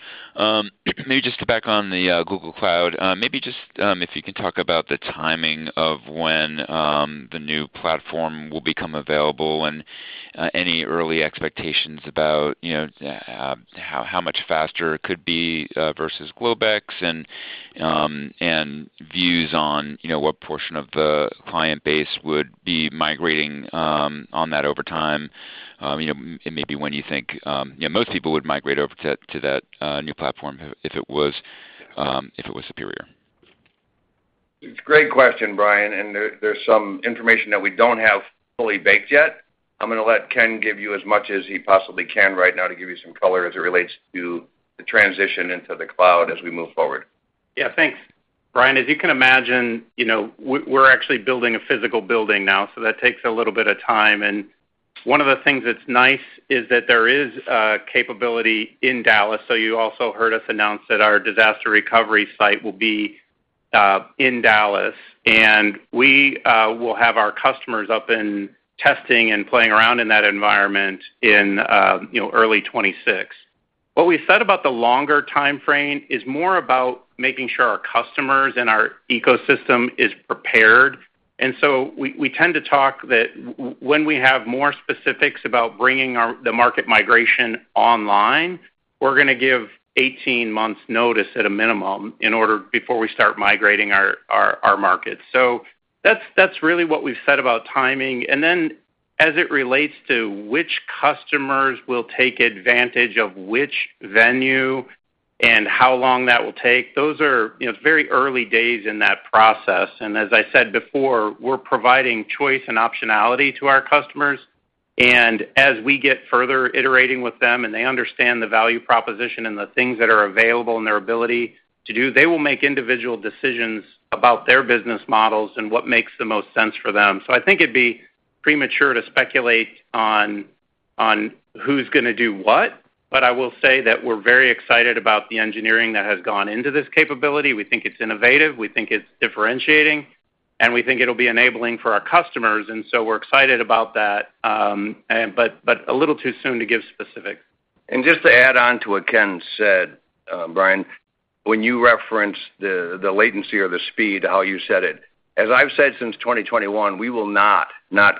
Maybe just to back on the Google Cloud. Maybe just if you can talk about the timing of when the new platform will become available and any early expectations about, you know, how much faster it could be versus Globex and views on, you know, what portion of the client base would be migrating on that over time. You know, and maybe when you think, you know, most people would migrate over to that new platform if it was superior. It's a great question, Brian, and there's some information that we don't have fully baked yet. I'm gonna let Ken give you as much as he possibly can right now to give you some color as it relates to the transition into the cloud as we move forward. Yeah, thanks. Brian, as you can imagine, you know, we're, we're actually building a physical building now, so that takes a little bit of time. And one of the things that's nice is that there is a capability in Dallas. So you also heard us announce that our disaster recovery site will be in Dallas, and we will have our customers up in testing and playing around in that environment in, you know, early 2026. What we've said about the longer timeframe is more about making sure our customers and our ecosystem is prepared. And so we, we tend to talk that when we have more specifics about bringing our the market migration online, we're gonna give 18 months notice at a minimum in order before we start migrating our, our, our markets. So that's, that's really what we've said about timing. And then, as it relates to which customers will take advantage of which venue and how long that will take, those are, you know, very early days in that process. And as I said before, we're providing choice and optionality to our customers. And as we get further iterating with them, and they understand the value proposition and the things that are available and their ability to do, they will make individual decisions about their business models and what makes the most sense for them. So I think it'd be premature to speculate on who's gonna do what, but I will say that we're very excited about the engineering that has gone into this capability. We think it's innovative, we think it's differentiating.... and we think it'll be enabling for our customers, and so we're excited about that, but a little too soon to give specifics. Just to add on to what Ken said, Brian, when you referenced the latency or the speed, how you said it, as I've said since 2021, we will not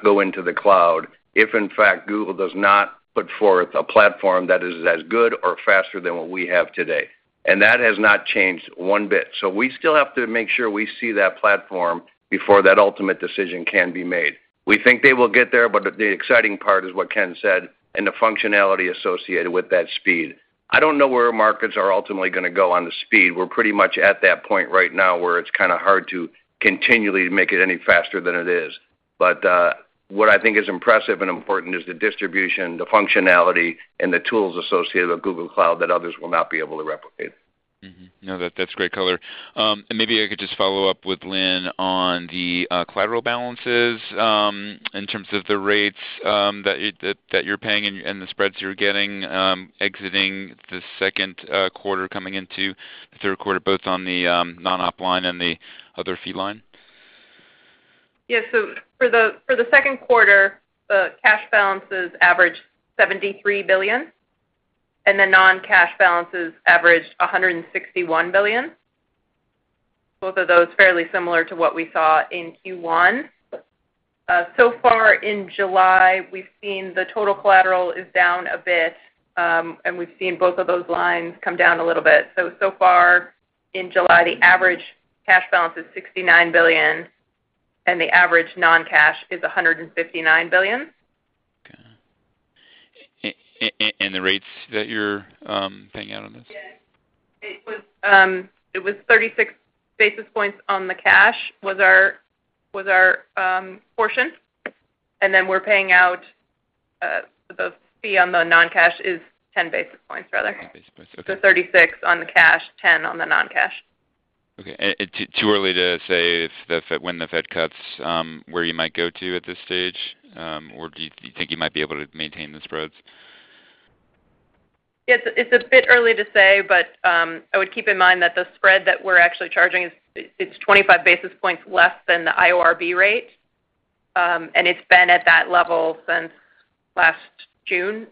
go into the cloud if, in fact, Google does not put forth a platform that is as good or faster than what we have today. And that has not changed one bit. So we still have to make sure we see that platform before that ultimate decision can be made. We think they will get there, but the exciting part is what Ken said, and the functionality associated with that speed. I don't know where markets are ultimately going to go on the speed. We're pretty much at that point right now, where it's kind of hard to continually make it any faster than it is. What I think is impressive and important is the distribution, the functionality, and the tools associated with Google Cloud that others will not be able to replicate. Mm-hmm. No, that's great color. And maybe I could just follow up with Lynne on the collateral balances, in terms of the rates that you're paying and the spreads you're getting, exiting the Q2, coming into the Q3, both on the non-op line and the other fee line. Yes. So for the Q2, the cash balances averaged $73 billion, and the non-cash balances averaged $161 billion. Both of those, fairly similar to what we saw in Q1. So far in July, we've seen the total collateral is down a bit, and we've seen both of those lines come down a little bit. So far in July, the average cash balance is $69 billion, and the average non-cash is $159 billion. Okay. And the rates that you're paying out on this? Yeah. It was 36 basis points on the cash, was our portion. And then we're paying out the fee on the non-cash is 10 basis points rather. 10 basis points, okay. 36 on the cash, 10 on the non-cash. Okay, and too early to say if the Fed, when the Fed cuts, where you might go to at this stage, or do you think you might be able to maintain the spreads? It's a bit early to say, but I would keep in mind that the spread that we're actually charging is 25 basis points less than the IORB rate, and it's been at that level since last June.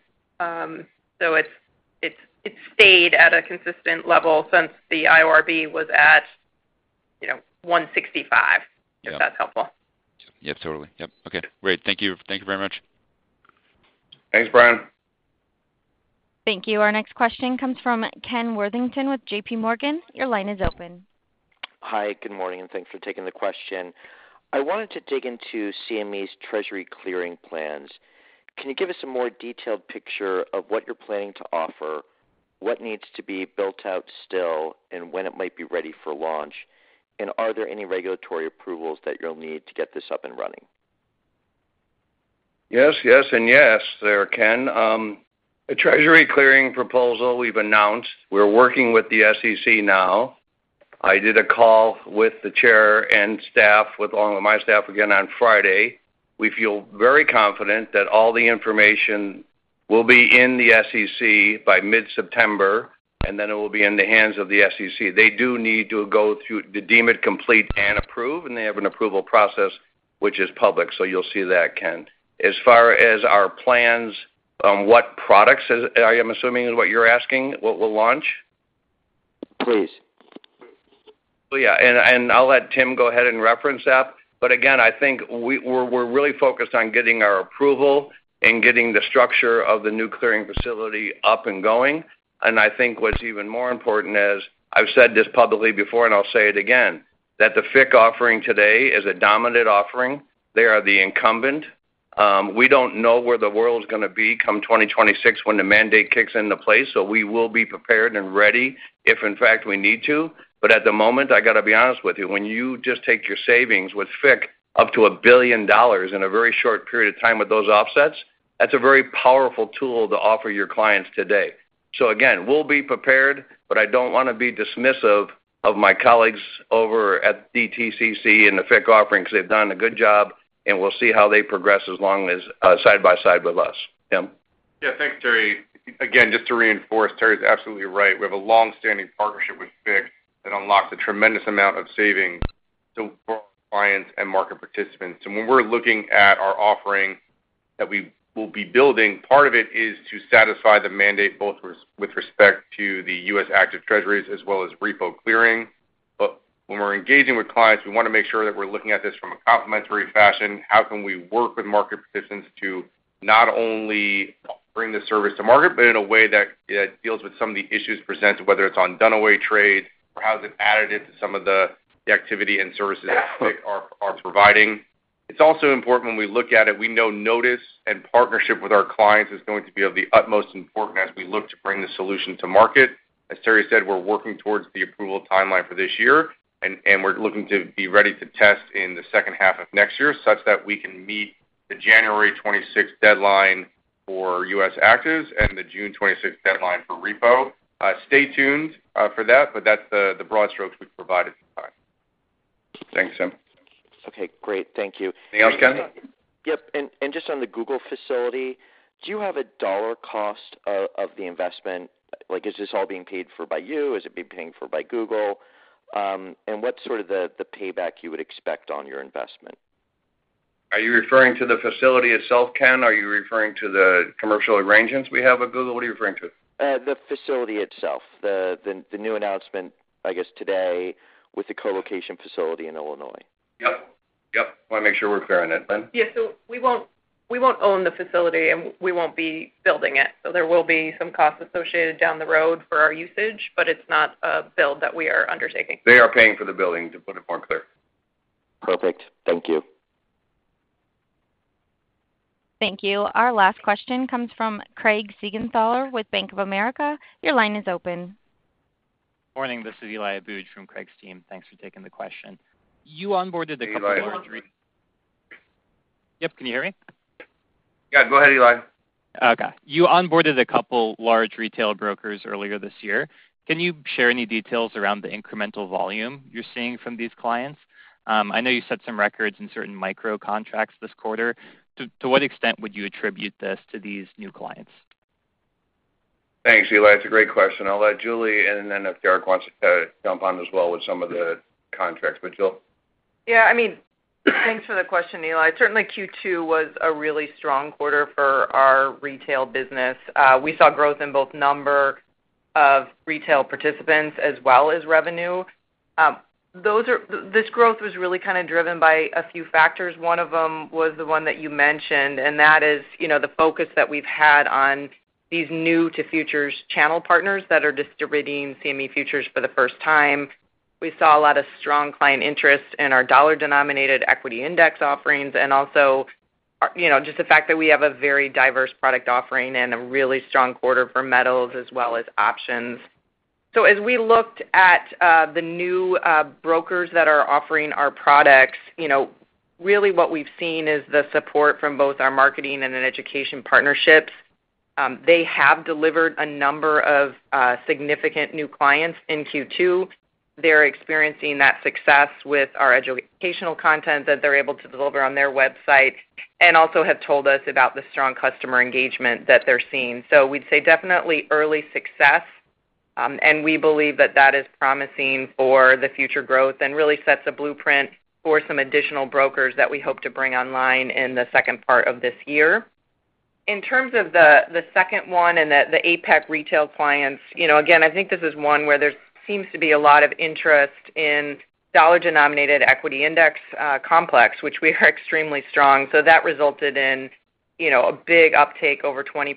So it's stayed at a consistent level since the IORB was at, you know, 165- Yeah. - if that's helpful. Yep, totally. Yep. Okay, great. Thank you. Thank you very much. Thanks, Brian. Thank you. Our next question comes from Ken Worthington with J.P. Morgan. Your line is open. Hi, good morning, and thanks for taking the question. I wanted to dig into CME's Treasury clearing plans. Can you give us a more detailed picture of what you're planning to offer? What needs to be built out still, and when it might be ready for launch? And are there any regulatory approvals that you'll need to get this up and running? Yes, yes, and yes, there, Ken. A Treasury clearing proposal we've announced, we're working with the SEC now. I did a call with the chair and staff, with, along with my staff again on Friday. We feel very confident that all the information will be in the SEC by mid-September, and then it will be in the hands of the SEC. They do need to go through, deem it complete and approve, and they have an approval process, which is public, so you'll see that, Ken. As far as our plans on what products, is, I am assuming is what you're asking, what we'll launch? Please. Yeah, and I'll let Tim go ahead and reference that. But again, I think we're really focused on getting our approval and getting the structure of the new clearing facility up and going. And I think what's even more important is, I've said this publicly before, and I'll say it again, that the FICC offering today is a dominant offering. They are the incumbent. We don't know where the world is gonna be come 2026 when the mandate kicks into place, so we will be prepared and ready if, in fact, we need to. But at the moment, I got to be honest with you, when you just take your savings with FICC up to $1 billion in a very short period of time with those offsets, that's a very powerful tool to offer your clients today. So again, we'll be prepared, but I don't want to be dismissive of my colleagues over at DTCC and the FICC offerings. They've done a good job, and we'll see how they progress as long as, side by side with us. Tim? Yeah, thanks, Terry. Again, just to reinforce, Terry's absolutely right. We have a long-standing partnership with FICC that unlocks a tremendous amount of savings to clients and market participants. And when we're looking at our offering that we will be building, part of it is to satisfy the mandate, both with respect to the U.S. active Treasuries as well as repo clearing. But when we're engaging with clients, we want to make sure that we're looking at this from a complementary fashion. How can we work with market participants to not only bring the service to market, but in a way that, that deals with some of the issues presented, whether it's on done-away trades or how is it additive to some of the, the activity and services that FICC are, are providing? It's also important when we look at it, we know notice and partnership with our clients is going to be of the utmost importance as we look to bring the solution to market. As Terry said, we're working towards the approval timeline for this year, and we're looking to be ready to test in the second half of next year, such that we can meet the January 26th deadline for US actives and the June 26th deadline for repo. Stay tuned for that, but that's the broad strokes we've provided so far. Thanks, Tim. Okay, great. Thank you. Anything else, Ken?... Yep, and just on the Google facility, do you have a dollar cost of the investment? Like, is this all being paid for by you? Is it being paid for by Google? And what's sort of the payback you would expect on your investment? Are you referring to the facility itself, Ken? Are you referring to the commercial arrangements we have with Google? What are you referring to? The facility itself, the new announcement, I guess today, with the co-location facility in Illinois. Yep. Yep. Want to make sure we're clear on that. Lynne? Yes. So we won't, we won't own the facility, and we won't be building it. So there will be some costs associated down the road for our usage, but it's not a build that we are undertaking. They are paying for the building, to put it more clear. Perfect. Thank you. Thank you. Our last question comes from Craig Siegenthaler with Bank of America. Your line is open. Morning, this is Eli Abujamra from Craig's team. Thanks for taking the question. You onboarded a couple- Hey, Eli. Yep, can you hear me? Yeah, go ahead, Eli. Okay. You onboarded a couple large retail brokers earlier this year. Can you share any details around the incremental volume you're seeing from these clients? I know you set some records in certain micro contracts this quarter. To what extent would you attribute this to these new clients? Thanks, Eli. It's a great question. I'll let Julie in, and then if Derek wants to, jump on as well with some of the contracts. But, Julie? Yeah, I mean, thanks for the question, Eli. Certainly, Q2 was a really strong quarter for our retail business. We saw growth in both number of retail participants as well as revenue. This growth was really kind of driven by a few factors. One of them was the one that you mentioned, and that is, you know, the focus that we've had on these new to futures channel partners that are distributing CME futures for the first time. We saw a lot of strong client interest in our dollar-denominated equity index offerings, and also, you know, just the fact that we have a very diverse product offering and a really strong quarter for metals as well as options. So as we looked at, the new, brokers that are offering our products, you know, really what we've seen is the support from both our marketing and an education partnerships. They have delivered a number of, significant new clients in Q2. They're experiencing that success with our educational content that they're able to deliver on their website, and also have told us about the strong customer engagement that they're seeing. So we'd say definitely early success, and we believe that that is promising for the future growth and really sets a blueprint for some additional brokers that we hope to bring online in the second part of this year. In terms of the second one and the APAC retail clients, you know, again, I think this is one where there seems to be a lot of interest in dollar-denominated equity index complex, which we are extremely strong. So that resulted in, you know, a big uptake, over 20%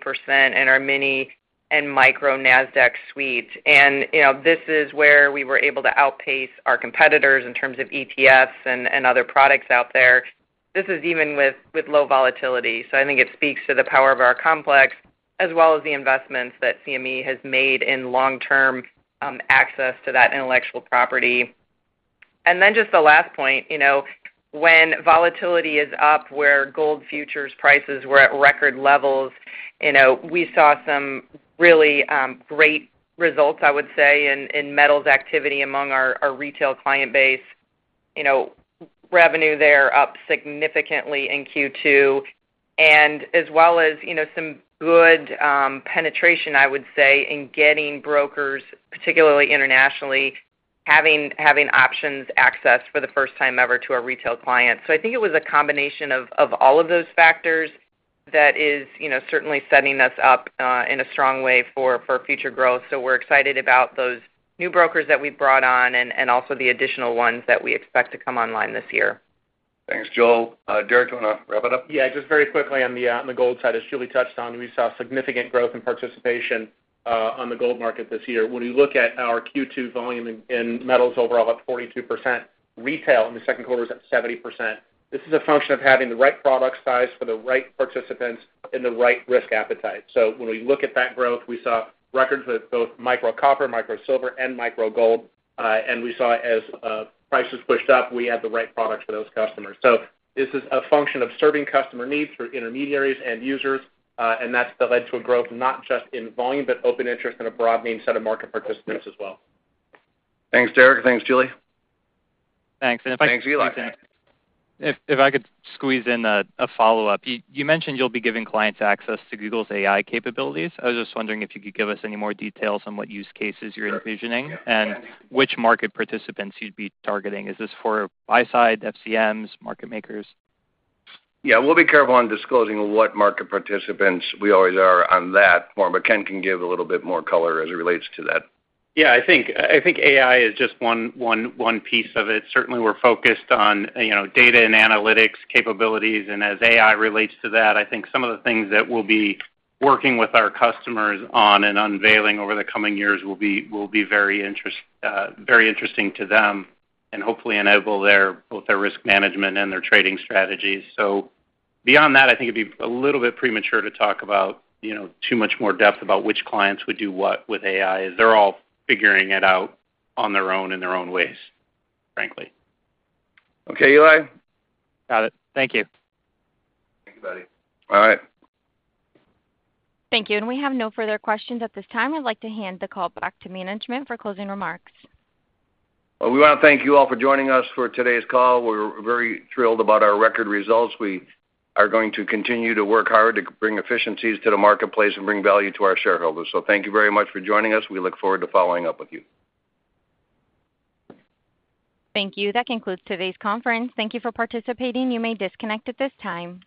in our mini and micro NASDAQ suites. And, you know, this is where we were able to outpace our competitors in terms of ETFs and other products out there. This is even with low volatility. So I think it speaks to the power of our complex, as well as the investments that CME has made in long-term access to that intellectual property. And then just the last point, you know, when volatility is up, where gold futures prices were at record levels, you know, we saw some really great results, I would say, in metals activity among our retail client base. You know, revenue there up significantly in Q2, and as well as, you know, some good penetration, I would say, in getting brokers, particularly internationally, having options access for the first time ever to our retail clients. So I think it was a combination of all of those factors that is, you know, certainly setting us up in a strong way for future growth. So we're excited about those new brokers that we've brought on and also the additional ones that we expect to come online this year. Thanks, Julie. Derek, do you want to wrap it up? Yeah, just very quickly on the gold side, as Julie touched on, we saw significant growth in participation on the gold market this year. When you look at our Q2 volume in metals overall, up 42%, retail in the Q2 is at 70%. This is a function of having the right product size for the right participants and the right risk appetite. So when we look at that growth, we saw records with both Micro Copper, Micro Silver, and Micro Gold, and we saw as prices pushed up, we had the right product for those customers. So this is a function of serving customer needs for intermediaries and users, and that's led to a growth, not just in volume, but open interest and a broadening set of market participants as well. Thanks, Derek. Thanks, Julie. Thanks. Thanks, Eli. If I could squeeze in a follow-up. You mentioned you'll be giving clients access to Google's AI capabilities. I was just wondering if you could give us any more details on what use cases you're envisioning- Sure. Yeah. and which market participants you'd be targeting. Is this for buy side, FCMs, market makers? Yeah, we'll be careful on disclosing what market participants we always are on that one, but Ken can give a little bit more color as it relates to that. Yeah, I think AI is just one piece of it. Certainly, we're focused on, you know, data and analytics capabilities, and as AI relates to that, I think some of the things that we'll be working with our customers on and unveiling over the coming years will be very interesting to them and hopefully enable both their risk management and their trading strategies. So beyond that, I think it'd be a little bit premature to talk about, you know, too much more depth about which clients would do what with AI, as they're all figuring it out on their own, in their own ways, frankly. Okay, Eli? Got it. Thank you. Thank you, buddy. All right. Thank you, and we have no further questions at this time. I'd like to hand the call back to management for closing remarks. Well, we want to thank you all for joining us for today's call. We're very thrilled about our record results. We are going to continue to work hard to bring efficiencies to the marketplace and bring value to our shareholders. So thank you very much for joining us. We look forward to following up with you. Thank you. That concludes today's conference. Thank you for participating. You may disconnect at this time.